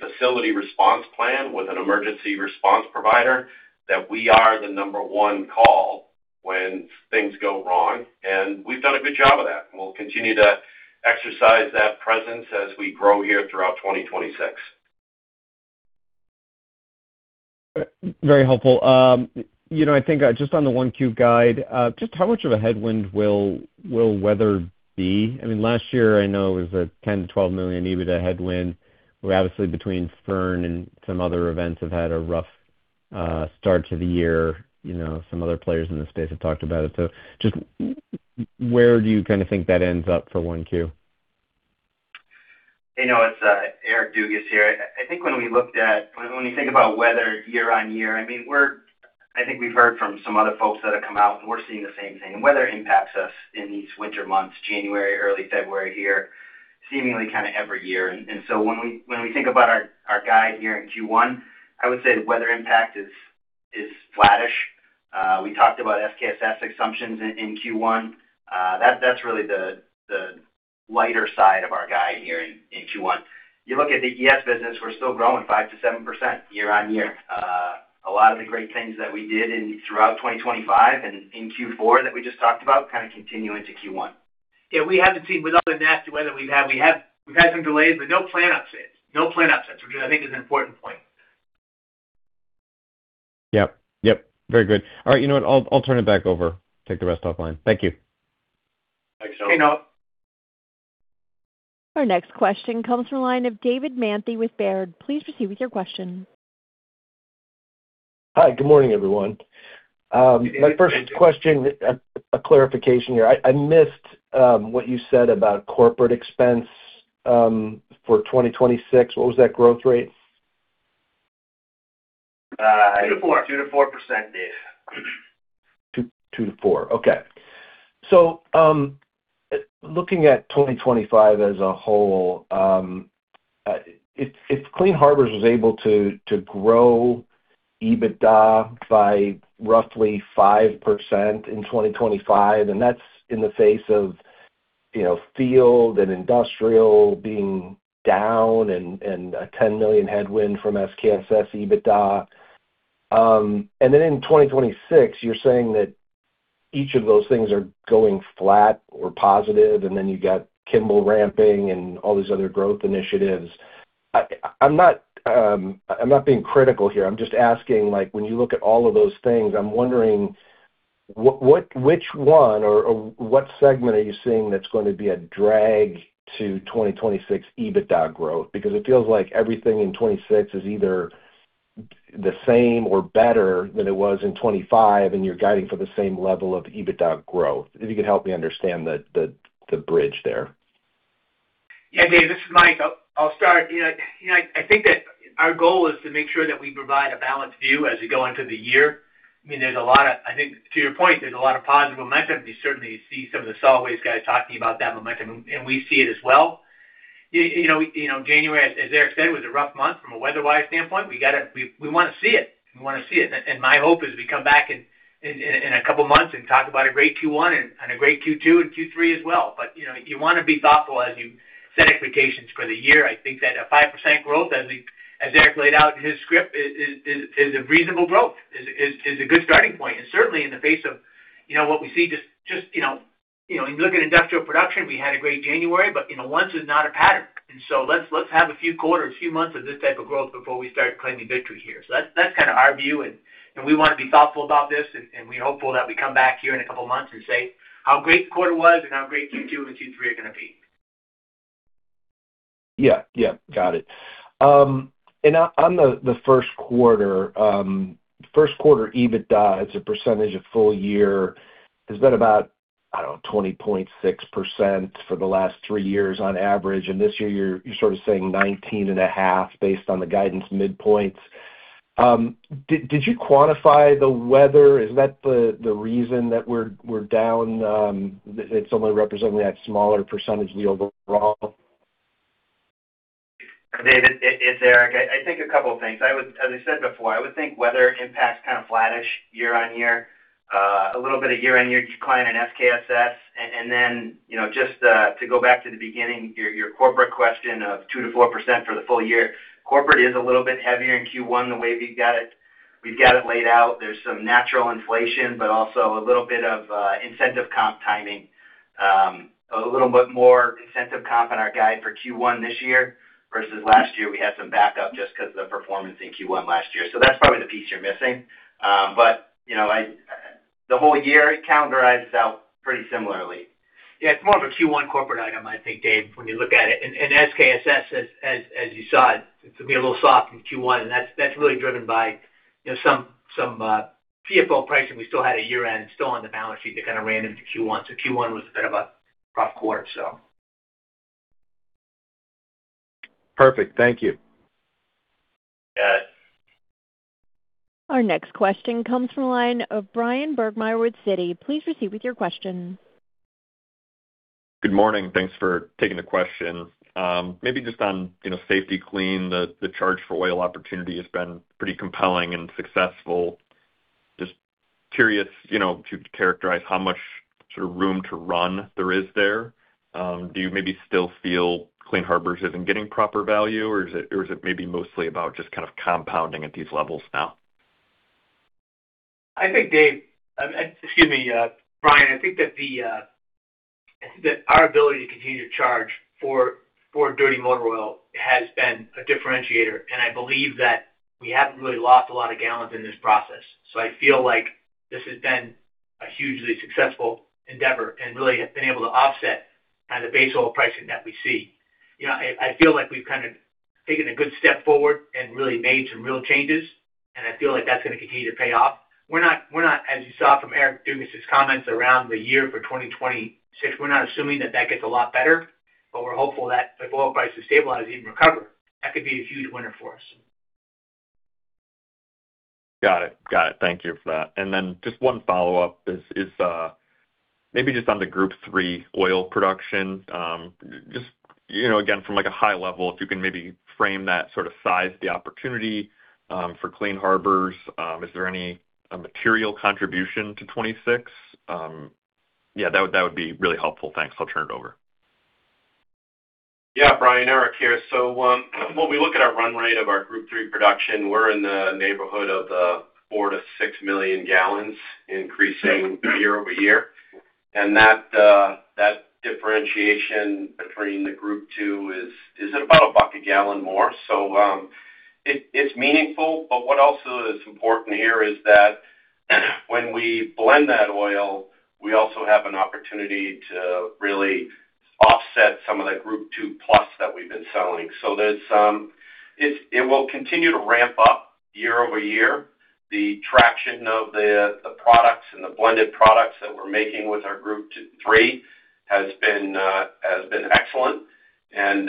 C: facility response plan with an emergency response provider, that we are the number one call when things go wrong, and we've done a good job of that. We'll continue to exercise that presence as we grow here throughout 2026....
H: Very helpful. You know, I think just on the 1Q guide, just how much of a headwind will weather be? I mean, last year I know it was a $10 million-$12 million EBITDA headwind, where obviously between [Fern] and some other events have had a rough start to the year. You know, some other players in the space have talked about it. So just where do you kind of think that ends up for 1Q?
E: Hey, Noah, it's Eric Dugas here. I think when you think about weather year-on-year, I mean, I think we've heard from some other folks that have come out, and we're seeing the same thing. Weather impacts us in these winter months, January, early February here, seemingly kind of every year. So when we think about our guide here in Q1, I would say the weather impact is flattish. We talked about SKSS assumptions in Q1. That's really the lighter side of our guide here in Q1. You look at the ES business, we're still growing 5%-7% year-on-year. A lot of the great things that we did throughout 2025 and in Q4 that we just talked about, kind of continue into Q1.
D: Yeah, we haven't seen... With all the nasty weather we've had, we have, we've had some delays, but no plant upsets. No plant upsets, which I think is an important point.
H: Yep, yep. Very good. All right, you know what? I'll, I'll turn it back over. Take the rest offline. Thank you.
E: Thanks, Noah.
D: Hey, Noah.
A: Our next question comes from the line of David Manthey with Baird. Please proceed with your question.
I: Hi, good morning, everyone.
E: Good morning, David.
I: My first question, a clarification here. I missed what you said about corporate expense for 2026. What was that growth rate?
E: Uh-
D: 2%-4%.
E: 2%-4%, David.
I: 2% to 4%. Okay. So, looking at 2025 as a whole, if Clean Harbors was able to grow EBITDA by roughly 5% in 2025, and that's in the face of, you know, field and industrial being down and a $10 million headwind from SKSS EBITDA. And then in 2026, you're saying that each of those things are going flat or positive, and then you've got Kimball ramping and all these other growth initiatives. I'm not being critical here. I'm just asking, like, when you look at all of those things, I'm wondering, what--which one or what segment are you seeing that's going to be a drag to 2026 EBITDA growth? Because it feels like everything in 2026 is either the same or better than it was in 2025, and you're guiding for the same level of EBITDA growth. If you could help me understand the bridge there.
D: Yeah, Dave, this is Mike. I'll, I'll start. You know, you know, I think that our goal is to make sure that we provide a balanced view as we go into the year. I mean, there's a lot of. I think, to your point, there's a lot of positive momentum. You certainly see some of the solid waste guys talking about that momentum, and we see it as well. You, you know, you know, January, as, as Eric said, was a rough month from a weather-wise standpoint. We gotta. We, we wanna see it. We wanna see it. And my hope is we come back in, in, in a couple of months and talk about a great Q1 and, and a great Q2 and Q3 as well. But, you know, you wanna be thoughtful as you set expectations for the year. I think that a 5% growth, as Eric laid out in his script, is a reasonable growth, is a good starting point. And certainly in the face of, you know, what we see just, you know... You know, you look at industrial production, we had a great January, but, you know, once is not a pattern. And so let's have a few quarters, a few months of this type of growth before we start claiming victory here. So that's kind of our view, and we wanna be thoughtful about this, and we're hopeful that we come back here in a couple of months and say how great the quarter was and how great Q2 and Q3 are gonna be.
I: Yeah. Yeah. Got it. And on the first quarter, first quarter EBITDA as a percentage of full year, has been about, I don't know, 20.6% for the last three years on average, and this year, you're sort of saying 19.5, based on the guidance midpoints. Did you quantify the weather? Is that the reason that we're down, it's only representing that smaller percentage of the overall?
E: David, it's Eric. I think a couple of things. I would—as I said before, I would think weather impacts kind of flattish year-on-year, a little bit of year-on-year decline in SKSS. And then, you know, just to go back to the beginning, your corporate question of 2%-4% for the full year. Corporate is a little bit heavier in Q1 the way we've got it—we've got it laid out. There's some natural inflation, but also a little bit of incentive comp timing. A little bit more incentive comp in our guide for Q1 this year, versus last year, we had some backup just because of the performance in Q1 last year. So that's probably the piece you're missing. But, you know, I—the whole year, it calendarizes out pretty similarly.
D: Yeah, it's more of a Q1 corporate item, I think, Dave, when you look at it. And SKSS, as you saw it, it's going to be a little soft in Q1, and that's really driven by, you know, some PFO pricing we still had at year-end, and still on the balance sheet that kind of ran into Q1. So Q1 was a bit of a rough quarter, so.
I: Perfect. Thank you.
E: You bet.
A: Our next question comes from the line of Bryan Burgmeier with Citi. Please proceed with your question.
J: Good morning. Thanks for taking the question. Maybe just on, you know, Safety-Kleen, the charge for oil opportunity has been pretty compelling and successful. Just curious, you know, to characterize how much sort of room to run there is there. Do you maybe still feel Clean Harbors isn't getting proper value, or is it, or is it maybe mostly about just kind of compounding at these levels now?...
E: I think, David, excuse me, Bryan, I think that the, I think that our ability to continue to charge for, for dirty motor oil has been a differentiator, and I believe that we haven't really lost a lot of gallons in this process. So I feel like this has been a hugely successful endeavor and really has been able to offset the base oil pricing that we see. You know, I, I feel like we've kind of taken a good step forward and really made some real changes, and I feel like that's going to continue to pay off. We're not, we're not, as you saw from Eric Dugas's comments around the year for 2026, we're not assuming that that gets a lot better, but we're hopeful that if oil prices stabilize, even recover, that could be a huge winner for us.
J: Got it. Got it. Thank you for that. And then just one follow-up is, maybe just on the Group Three oil production. Just, you know, again, from, like, a high level, if you can maybe frame that, sort of, size the opportunity, for Clean Harbors. Is there any material contribution to 2026? Yeah, that would be really helpful. Thanks. I'll turn it over.
C: Yeah, Bryan, Eric here. So, when we look at our run rate of our Group Three production, we're in the neighborhood of 4-6 million gallons, increasing year-over-year. And that differentiation between the Group Two is about $1 a gallon more. So, it's meaningful, but what also is important here is that when we blend that oil, we also have an opportunity to really offset some of that Group Two plus that we've been selling. So there's some... It will continue to ramp up year-over-year. The traction of the products and the blended products that we're making with our Group Three has been excellent. And,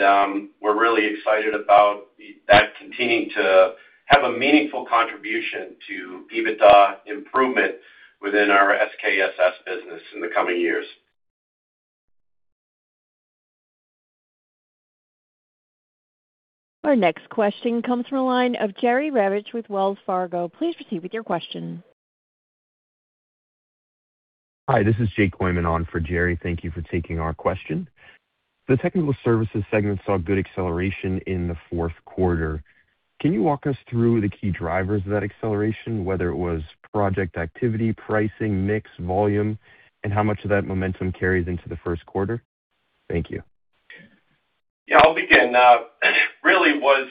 C: we're really excited about that continuing to have a meaningful contribution to EBITDA improvement within our SKSS business in the coming years.
A: Our next question comes from the line of Jerry Revich with Wells Fargo. Please proceed with your question.
K: Hi, this is Jake Wyman on for Jerry. Thank you for taking our question. The Technical Services segment saw good acceleration in the fourth quarter. Can you walk us through the key drivers of that acceleration, whether it was project activity, pricing, mix, volume, and how much of that momentum carries into the first quarter? Thank you.
C: Yeah, I'll begin. Really was,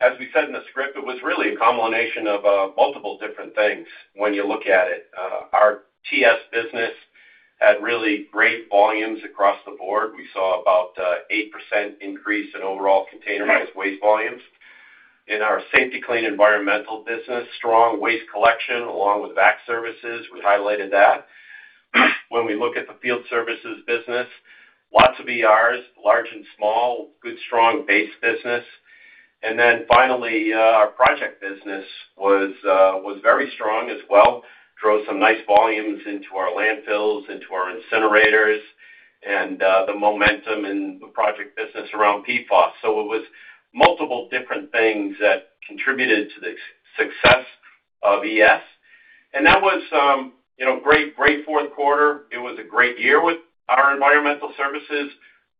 C: as we said in the script, it was really a combination of, multiple different things when you look at it. Our TS business had really great volumes across the board. We saw about, 8% increase in overall containerized waste volumes. In our Safety-Kleen Environmental business, strong waste collection, along with VAC services. We highlighted that. When we look at the Field Services business, lots of ERs, large and small, good, strong base business. And then finally, our project business was, was very strong as well. Drove some nice volumes into our landfills, into our incinerators, and, the momentum in the project business around PFAS. So it was multiple different things that contributed to the success of ES. And that was, you know, great, great fourth quarter. It was a great year with our environmental services.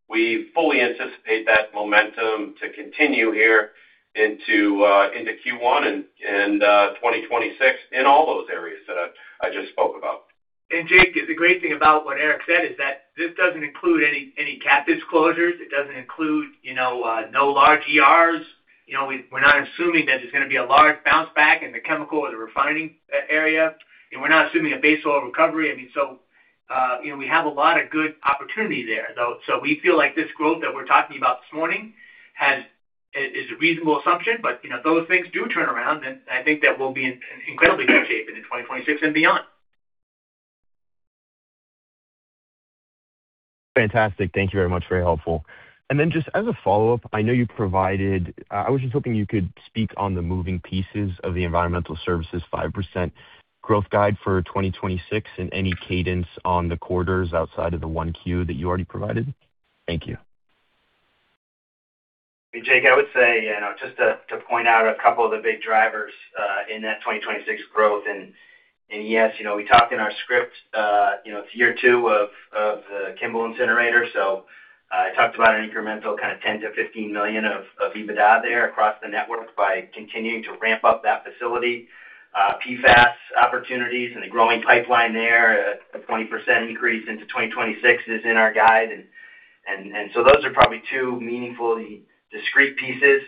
C: We fully anticipate that momentum to continue here into Q1 and 2026 in all those areas that I just spoke about.
E: And Jake, the great thing about what Eric said is that this doesn't include any CapEx disclosures. It doesn't include, you know, no large ERs. You know, we're not assuming that there's gonna be a large bounce back in the chemical or the refining area, and we're not assuming a base oil recovery. I mean, so, you know, we have a lot of good opportunity there, though. So we feel like this growth that we're talking about this morning is a reasonable assumption, but, you know, those things do turn around, then I think that we'll be in incredibly good shape in 2026 and beyond.
K: Fantastic. Thank you very much. Very helpful. And then just as a follow-up, I know you provided, I was just hoping you could speak on the moving pieces of the environmental services 5% growth guide for 2026 and any cadence on the quarters outside of the 1Q that you already provided. Thank you.
E: Jake, I would say, you know, just to point out a couple of the big drivers in that 2026 growth. And yes, you know, we talked in our script, you know, it's year two of Kimball Incinerator. So, I talked about an incremental kind of $10 million-$15 million of EBITDA there across the network by continuing to ramp up that facility. PFAS opportunities and the growing pipeline there, a 20% increase into 2026 is in our guide. And so those are probably two meaningfully discrete pieces.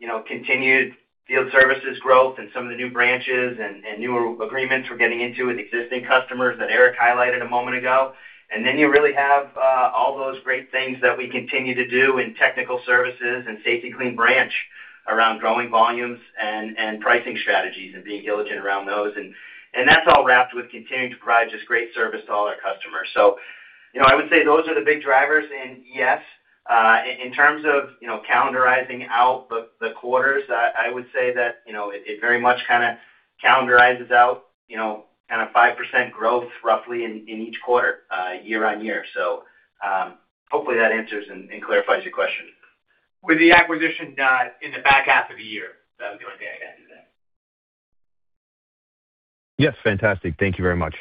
E: You know, continued Field Services growth and some of the new branches and newer agreements we're getting into with existing customers that Eric highlighted a moment ago. And then you really have all those great things that we continue to do in Technical Services and Safety-Kleen branch around growing volumes and pricing strategies and being diligent around those. And that's all wrapped with continuing to provide just great service to all our customers. So, you know, I would say those are the big drivers in ES. In terms of, you know, calendarizing out the quarters, I would say that, you know, it very much kind of calendarizes out, you know, kind of 5% growth roughly in each quarter, year-on-year. So, hopefully that answers and clarifies your question.
C: With the acquisition in the back half of the year. That was the only thing I'd add to that.
K: Yes, fantastic. Thank you very much.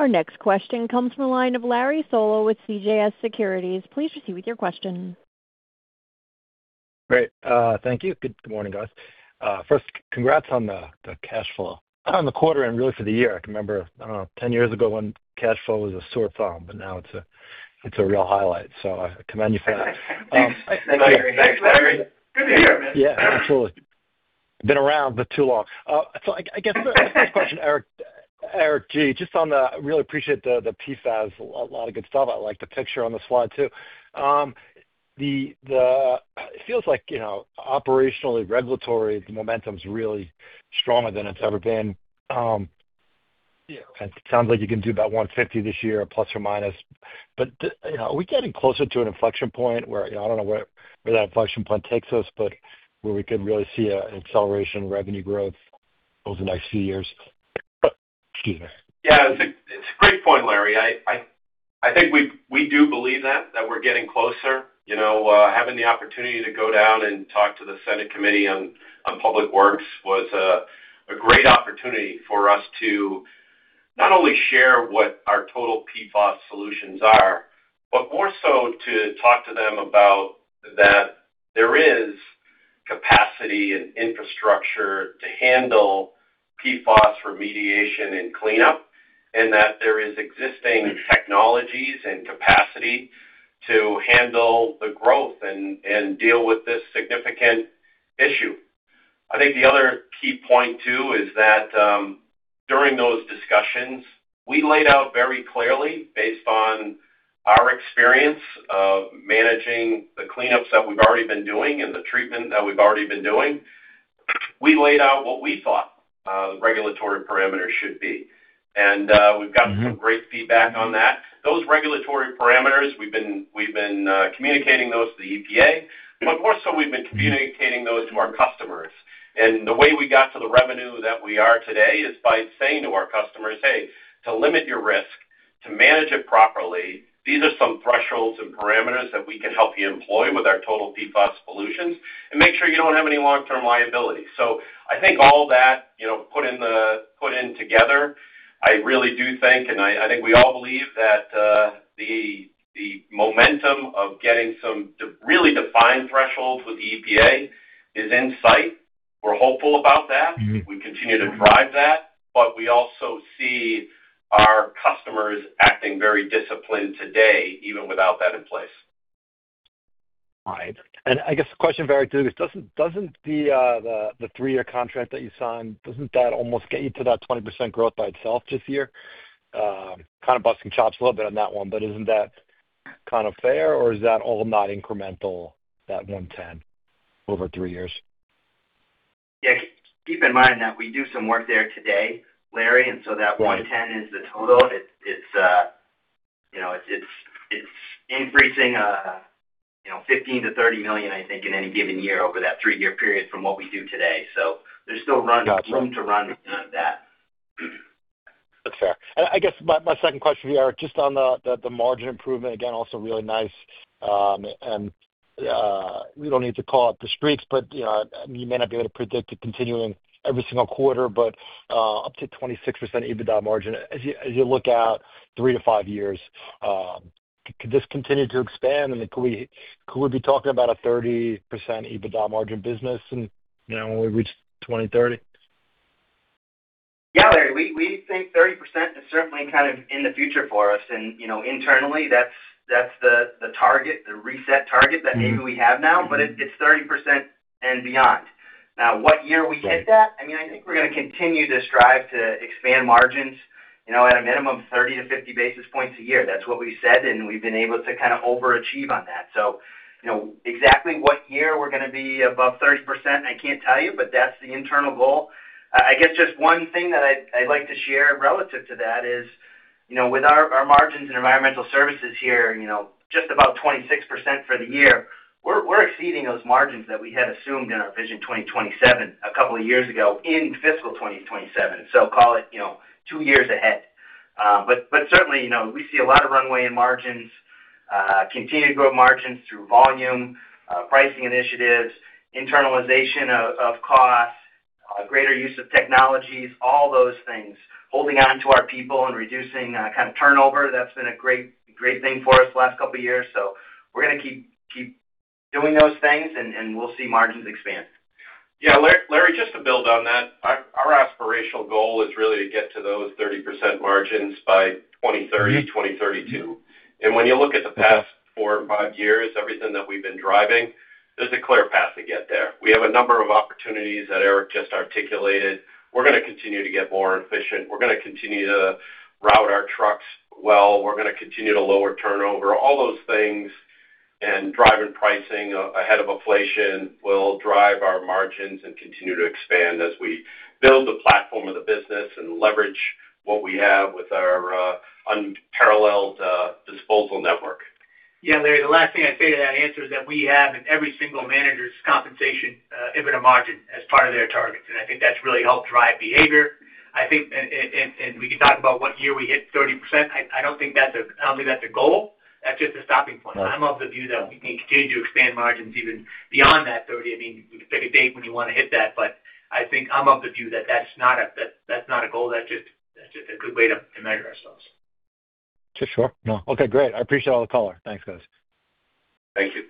A: Our next question comes from the line of Larry Solow with CJS Securities. Please proceed with your question.
L: Great. Thank you. Good morning, guys. First, congrats on the cash flow on the quarter and really for the year. I can remember, I don't know, 10 years ago, when cash flow was a sore thumb, but now it's a real highlight, so I commend you for that.
E: Thanks, Larry.
C: Thanks, Larry. Good to hear, man.
L: Yeah, absolutely. Been around for too long. So I guess the first question, Eric, Eric G., just on the... I really appreciate the PFAS. A lot of good stuff. I like the picture on the slide, too. The, the, it feels like, you know, operationally, regulatory, the momentum is really stronger than it's ever been. It sounds like you can do about $150 million this year, plus or minus. Do you know, are we getting closer to an inflection point where, I don't know where, where that inflection point takes us, but where we could really see an acceleration in revenue growth over the next few years? Excuse me.
C: Yeah, it's a great point, Larry. I think we do believe that we're getting closer. You know, having the opportunity to go down and talk to the Senate Committee on Public Works was a great opportunity for us to not only share what our total PFAS solutions are, but more so to talk to them about that there is capacity and infrastructure to handle PFAS remediation and cleanup, and that there is existing technologies and capacity to handle the growth and deal with this significant issue. I think the other key point, too, is that during those discussions, we laid out very clearly, based on our experience of managing the cleanups that we've already been doing and the treatment that we've already been doing, we laid out what we thought the regulatory parameters should be.
L: Mm-hmm.
C: And we've gotten some great feedback on that. Those regulatory parameters, we've been communicating those to the EPA, but more so, we've been communicating those to our customers. And the way we got to the revenue that we are today is by saying to our customers, "Hey, to limit your risk, to manage it properly, these are some thresholds and parameters that we can help you employ with our total PFAS solutions, and make sure you don't have any long-term liability." So I think all that, you know, put in together, I really do think, and I think we all believe that the momentum of getting some really defined thresholds with the EPA is in sight. We're hopeful about that.
L: Mm-hmm.
C: We continue to drive that, but we also see our customers acting very disciplined today, even without that in place.
L: Right. And I guess the question, Eric, too, is doesn't the three-year contract that you signed almost get you to that 20% growth by itself this year? Kind of busting chops a little bit on that one, but isn't that kind of fair, or is that all not incremental, that 110 over three years?
E: Yeah. Keep in mind that we do some work there today, Larry, and so that $110 is the total. It's, it's, you know, it's, it's, it's increasing, you know, $15 million-$30 million, I think, in any given year over that three-year period from what we do today. So there's still room-
L: Got you....
E: room to run on that.
L: That's fair. And I guess my second question here, just on the margin improvement, again, also really nice. And we don't need to call out the streaks, but you know, you may not be able to predict it continuing every single quarter, but up to 26% EBITDA margin. As you look out three to five years, could this continue to expand? I mean, could we be talking about a 30% EBITDA margin business in, you know, when we reach 2030?
E: Yeah, Larry, we think 30% is certainly kind of in the future for us. And, you know, internally, that's the target, the reset target that maybe we have now.
L: Mm-hmm.
E: But it's 30% and beyond. Now, what year we hit that? Right. I mean, I think we're going to continue to strive to expand margins, you know, at a minimum, 30-50 basis points a year. That's what we said, and we've been able to kind of overachieve on that. So, you know, exactly what year we're going to be above 30%, I can't tell you, but that's the internal goal. I, I guess just one thing that I'd, I'd like to share relative to that is, you know, with our, our margins in environmental services here, you know, just about 26% for the year, we're, we're exceeding those margins that we had assumed in our Vision 2027, a couple of years ago in fiscal 2027. So call it, you know, two years ahead. But certainly, you know, we see a lot of runway in margins, continued growth margins through volume, pricing initiatives, internalization of costs, greater use of technologies, all those things. Holding on to our people and reducing kind of turnover, that's been a great, great thing for us the last couple of years. So we're going to keep doing those things, and we'll see margins expand.
C: Yeah, Larry, just to build on that, our aspirational goal is really to get to those 30% margins by 2030-2032.
L: Mm-hmm.
C: When you look at the past four or five years, everything that we've been driving, there's a clear path to get there. We have a number of opportunities that Eric just articulated. We're going to continue to get more efficient. We're going to continue to route our trucks well. We're going to continue to lower turnover. All those things, and driving pricing ahead of inflation, will drive our margins and continue to expand as we build the platform of the business and leverage what we have with our unparalleled disposal network.
E: Yeah, Larry, the last thing I'd say to that answer is that we have in every single manager's compensation, EBITDA margin as part of their targets, and I think that's really helped drive behavior. I think, and we can talk about what year we hit 30%. I don't think that's a... I don't think that's a goal. That's just a stopping point.
L: Right.
E: I'm of the view that we can continue to expand margins even beyond that 30%. I mean, we can pick a date when you want to hit that, but-... I think I'm of the view that that's not a goal, that's just a good way to measure ourselves.
L: Sure. No. Okay, great. I appreciate all the color. Thanks, guys.
E: Thank you.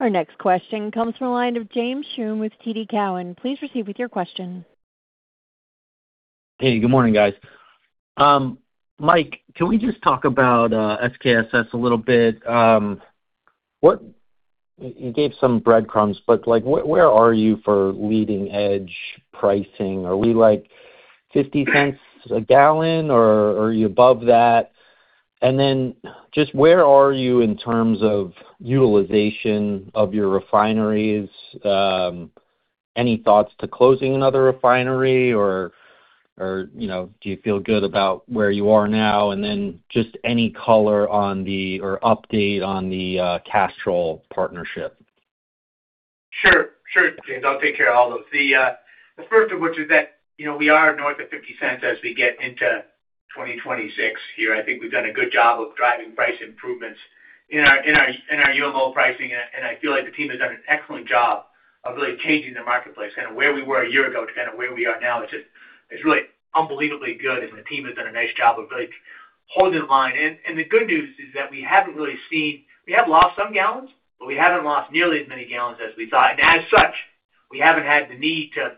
A: Our next question comes from the line of James Schumm with TD Cowen. Please proceed with your question.
M: Hey, good morning, guys. Mike, can we just talk about SKSS a little bit? You gave some breadcrumbs, but, like, where, where are you for leading-edge pricing? Are we, like, $0.50 a gallon, or are you above that? And then, just where are you in terms of utilization of your refineries? Any thoughts to closing another refinery, or, or, you know, do you feel good about where you are now? And then just any color on the, or update on the, Castrol partnership.
D: Sure, sure, James, I'll take care of all those. The first of which is that, you know, we are north of $0.50 as we get into 2026 here. I think we've done a good job of driving price improvements in our UMO pricing, and I feel like the team has done an excellent job of really changing the marketplace and where we were a year ago to kind of where we are now. It's just, it's really unbelievably good, and the team has done a nice job of really holding the line. And the good news is that we haven't really seen... We have lost some gallons, but we haven't lost nearly as many gallons as we thought. And as such, we haven't had the need to,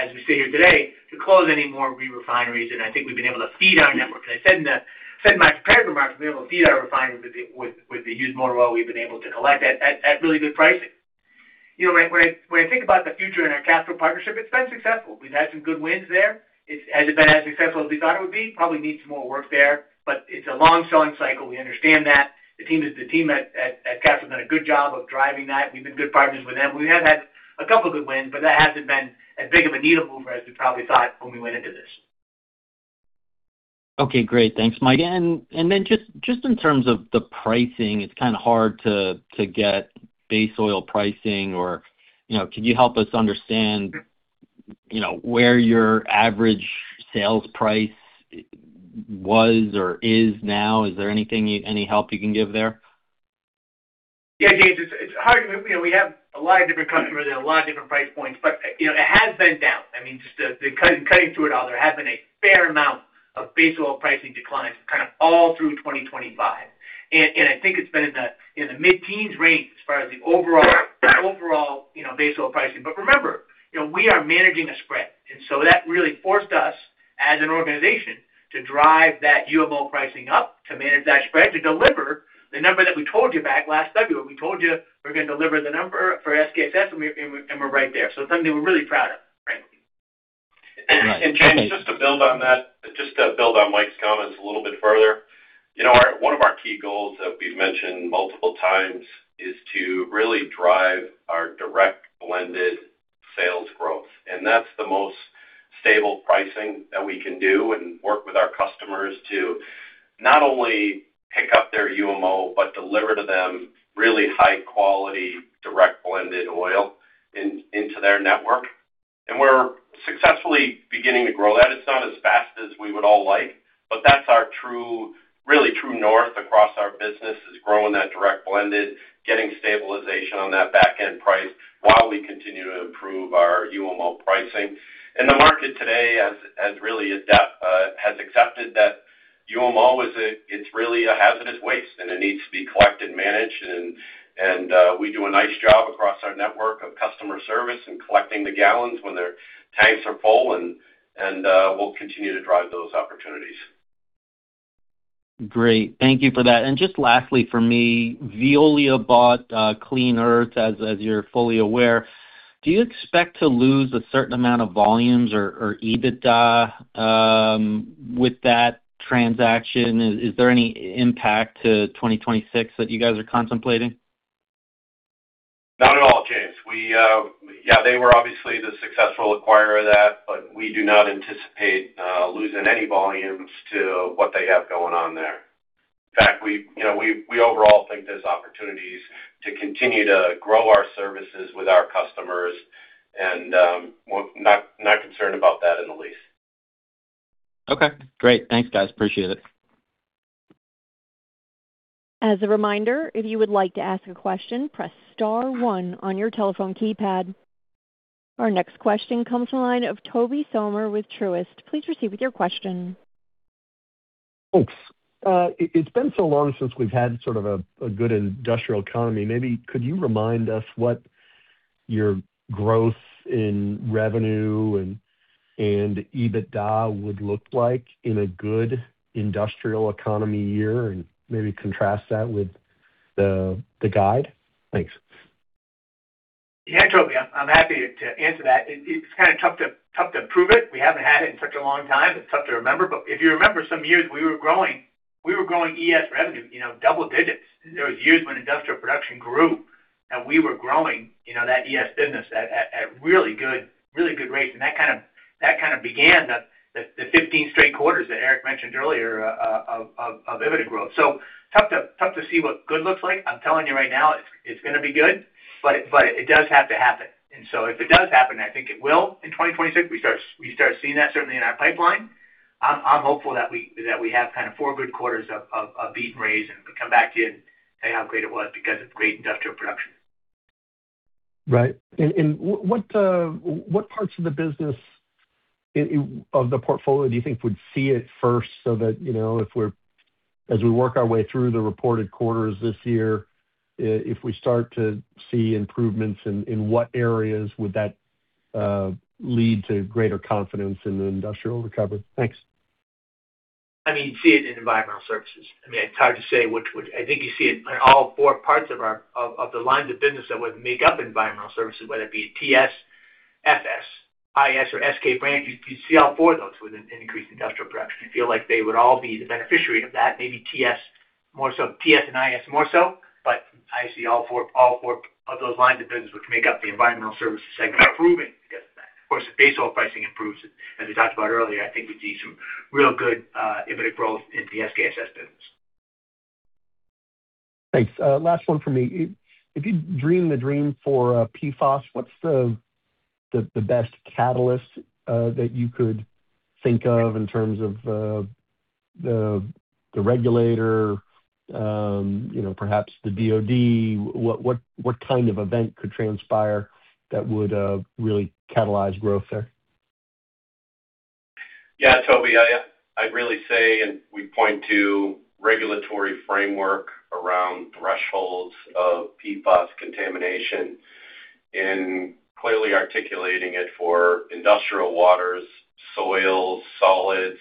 D: as we sit here today, to close any more re-refineries, and I think we've been able to feed our network. And I said in my prepared remarks, we've been able to feed our refineries with the used motor oil we've been able to collect at really good pricing. You know, when I think about the future and our Castrol partnership, it's been successful. We've had some good wins there. It hasn't been as successful as we thought it would be, probably needs some more work there, but it's a long selling cycle. We understand that. The team at Castrol has done a good job of driving that. We've been good partners with them. We have had a couple of good wins, but that hasn't been as big of a needle mover as we probably thought when we went into this.
M: Okay, great. Thanks, Mike. And then just in terms of the pricing, it's kind of hard to get base oil pricing or, you know, can you help us understand, you know, where your average sales price was or is now? Is there anything, any help you can give there?
D: Yeah, James, it's hard to... You know, we have a lot of different customers and a lot of different price points, but, you know, it has been down. I mean, just cutting through it all, there has been a fair amount of base oil pricing declines kind of all through 2025. And I think it's been in the mid-teens range as far as the overall base oil pricing. But remember, you know, we are managing a spread, and so that really forced us as an organization to drive that UMO pricing up, to manage that spread, to deliver the number that we told you back last February. We told you we're going to deliver the number for SKSS, and we're right there. So it's something we're really proud of, right?
C: And James, just to build on that, just to build on Mike's comments a little bit further. You know, our one of our key goals that we've mentioned multiple times is to really drive our direct blended sales growth, and that's the most stable pricing that we can do and work with our customers to not only pick up their UMO, but deliver to them really high-quality, direct blended oil into their network. And we're successfully beginning to grow that. It's not as fast as we would all like, but that's our true, really true north across our business, is growing that direct blended, getting stabilization on that back-end price while we continue to improve our UMO pricing. The market today has accepted that UMO is a, it's really a hazardous waste, and it needs to be collected, managed, and we do a nice job across our network of customer service and collecting the gallons when their tanks are full, and we'll continue to drive those opportunities.
M: Great. Thank you for that. Just lastly, for me, Veolia bought Clean Earth, as you're fully aware. Do you expect to lose a certain amount of volumes or EBITDA with that transaction? Is there any impact to 2026 that you guys are contemplating?
C: Not at all, James. We... Yeah, they were obviously the successful acquirer of that, but we do not anticipate losing any volumes to what they have going on there. In fact, we, you know, we overall think there's opportunities to continue to grow our services with our customers, and we're not concerned about that in the least.
M: Okay, great. Thanks, guys. Appreciate it.
A: As a reminder, if you would like to ask a question, press star one on your telephone keypad. Our next question comes from the line of Tobey Sommer with Truist. Please proceed with your question.
N: Thanks. It's been so long since we've had sort of a good industrial economy. Maybe could you remind us what your growth in revenue and EBITDA would look like in a good industrial economy year, and maybe contrast that with the guide? Thanks.
D: Yeah, Tobey, I'm happy to answer that. It's kind of tough to prove it. We haven't had it in such a long time. It's tough to remember, but if you remember, some years we were growing, we were growing ES revenue, you know, double digits. There was years when industrial production grew, and we were growing, you know, that ES business at really good rates. And that kind of began the 15 straight quarters that Eric mentioned earlier, of EBITDA growth. So tough to see what good looks like. I'm telling you right now, it's gonna be good, but it does have to happen. And so if it does happen, I think it will in 2026, we start seeing that certainly in our pipeline.... I'm hopeful that we have kind of four good quarters of beat and raise, and we come back to you and say how great it was because of great industrial production.
N: Right. And what parts of the business, of the portfolio do you think would see it first so that, you know, if we're—as we work our way through the reported quarters this year, if we start to see improvements, in what areas would that lead to greater confidence in the industrial recovery? Thanks.
D: I mean, you'd see it in environmental services. I mean, it's hard to say which would... I think you see it in all four parts of our of the lines of business that would make up environmental services, whether it be TS, FS, IS, or SK brand. You'd see all four of those with an increased industrial production. We feel like they would all be the beneficiary of that. Maybe TS more so, TS and IS more so, but I see all four of those lines of business, which make up the environmental services segment, improving because of that. Of course, if base oil pricing improves, as we talked about earlier, I think we'd see some real good embedded growth in the SKSS business.
N: Thanks. Last one for me. If you dream the dream for PFAS, what's the best catalyst that you could think of in terms of the regulator, you know, perhaps the DOD? What kind of event could transpire that would really catalyze growth there?
C: Yeah, Tobey, I, I'd really say, and we point to regulatory framework around thresholds of PFAS contamination and clearly articulating it for industrial waters, soils, solids,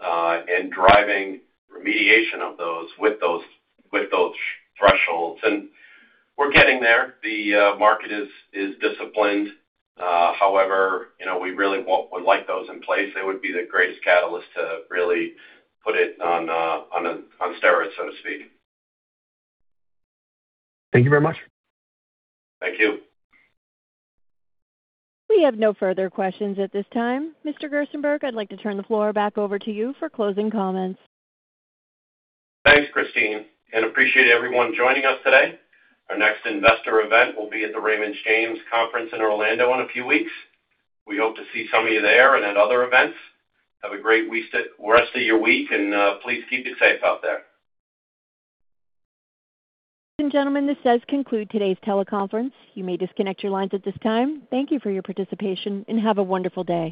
C: and driving remediation of those with those, with those thresholds. We're getting there. The market is disciplined. However, you know, we really want, would like those in place. It would be the greatest catalyst to really put it on, on a, on steroids, so to speak.
N: Thank you very much.
C: Thank you.
A: We have no further questions at this time. Mr. Gerstenberg, I'd like to turn the floor back over to you for closing comments.
C: Thanks, Christine, and appreciate everyone joining us today. Our next investor event will be at the Raymond James Conference in Orlando in a few weeks. We hope to see some of you there and at other events. Have a great week, rest of your week, and, please keep it safe out there.
A: Ladies and gentlemen, this does conclude today's teleconference. You may disconnect your lines at this time. Thank you for your participation, and have a wonderful day.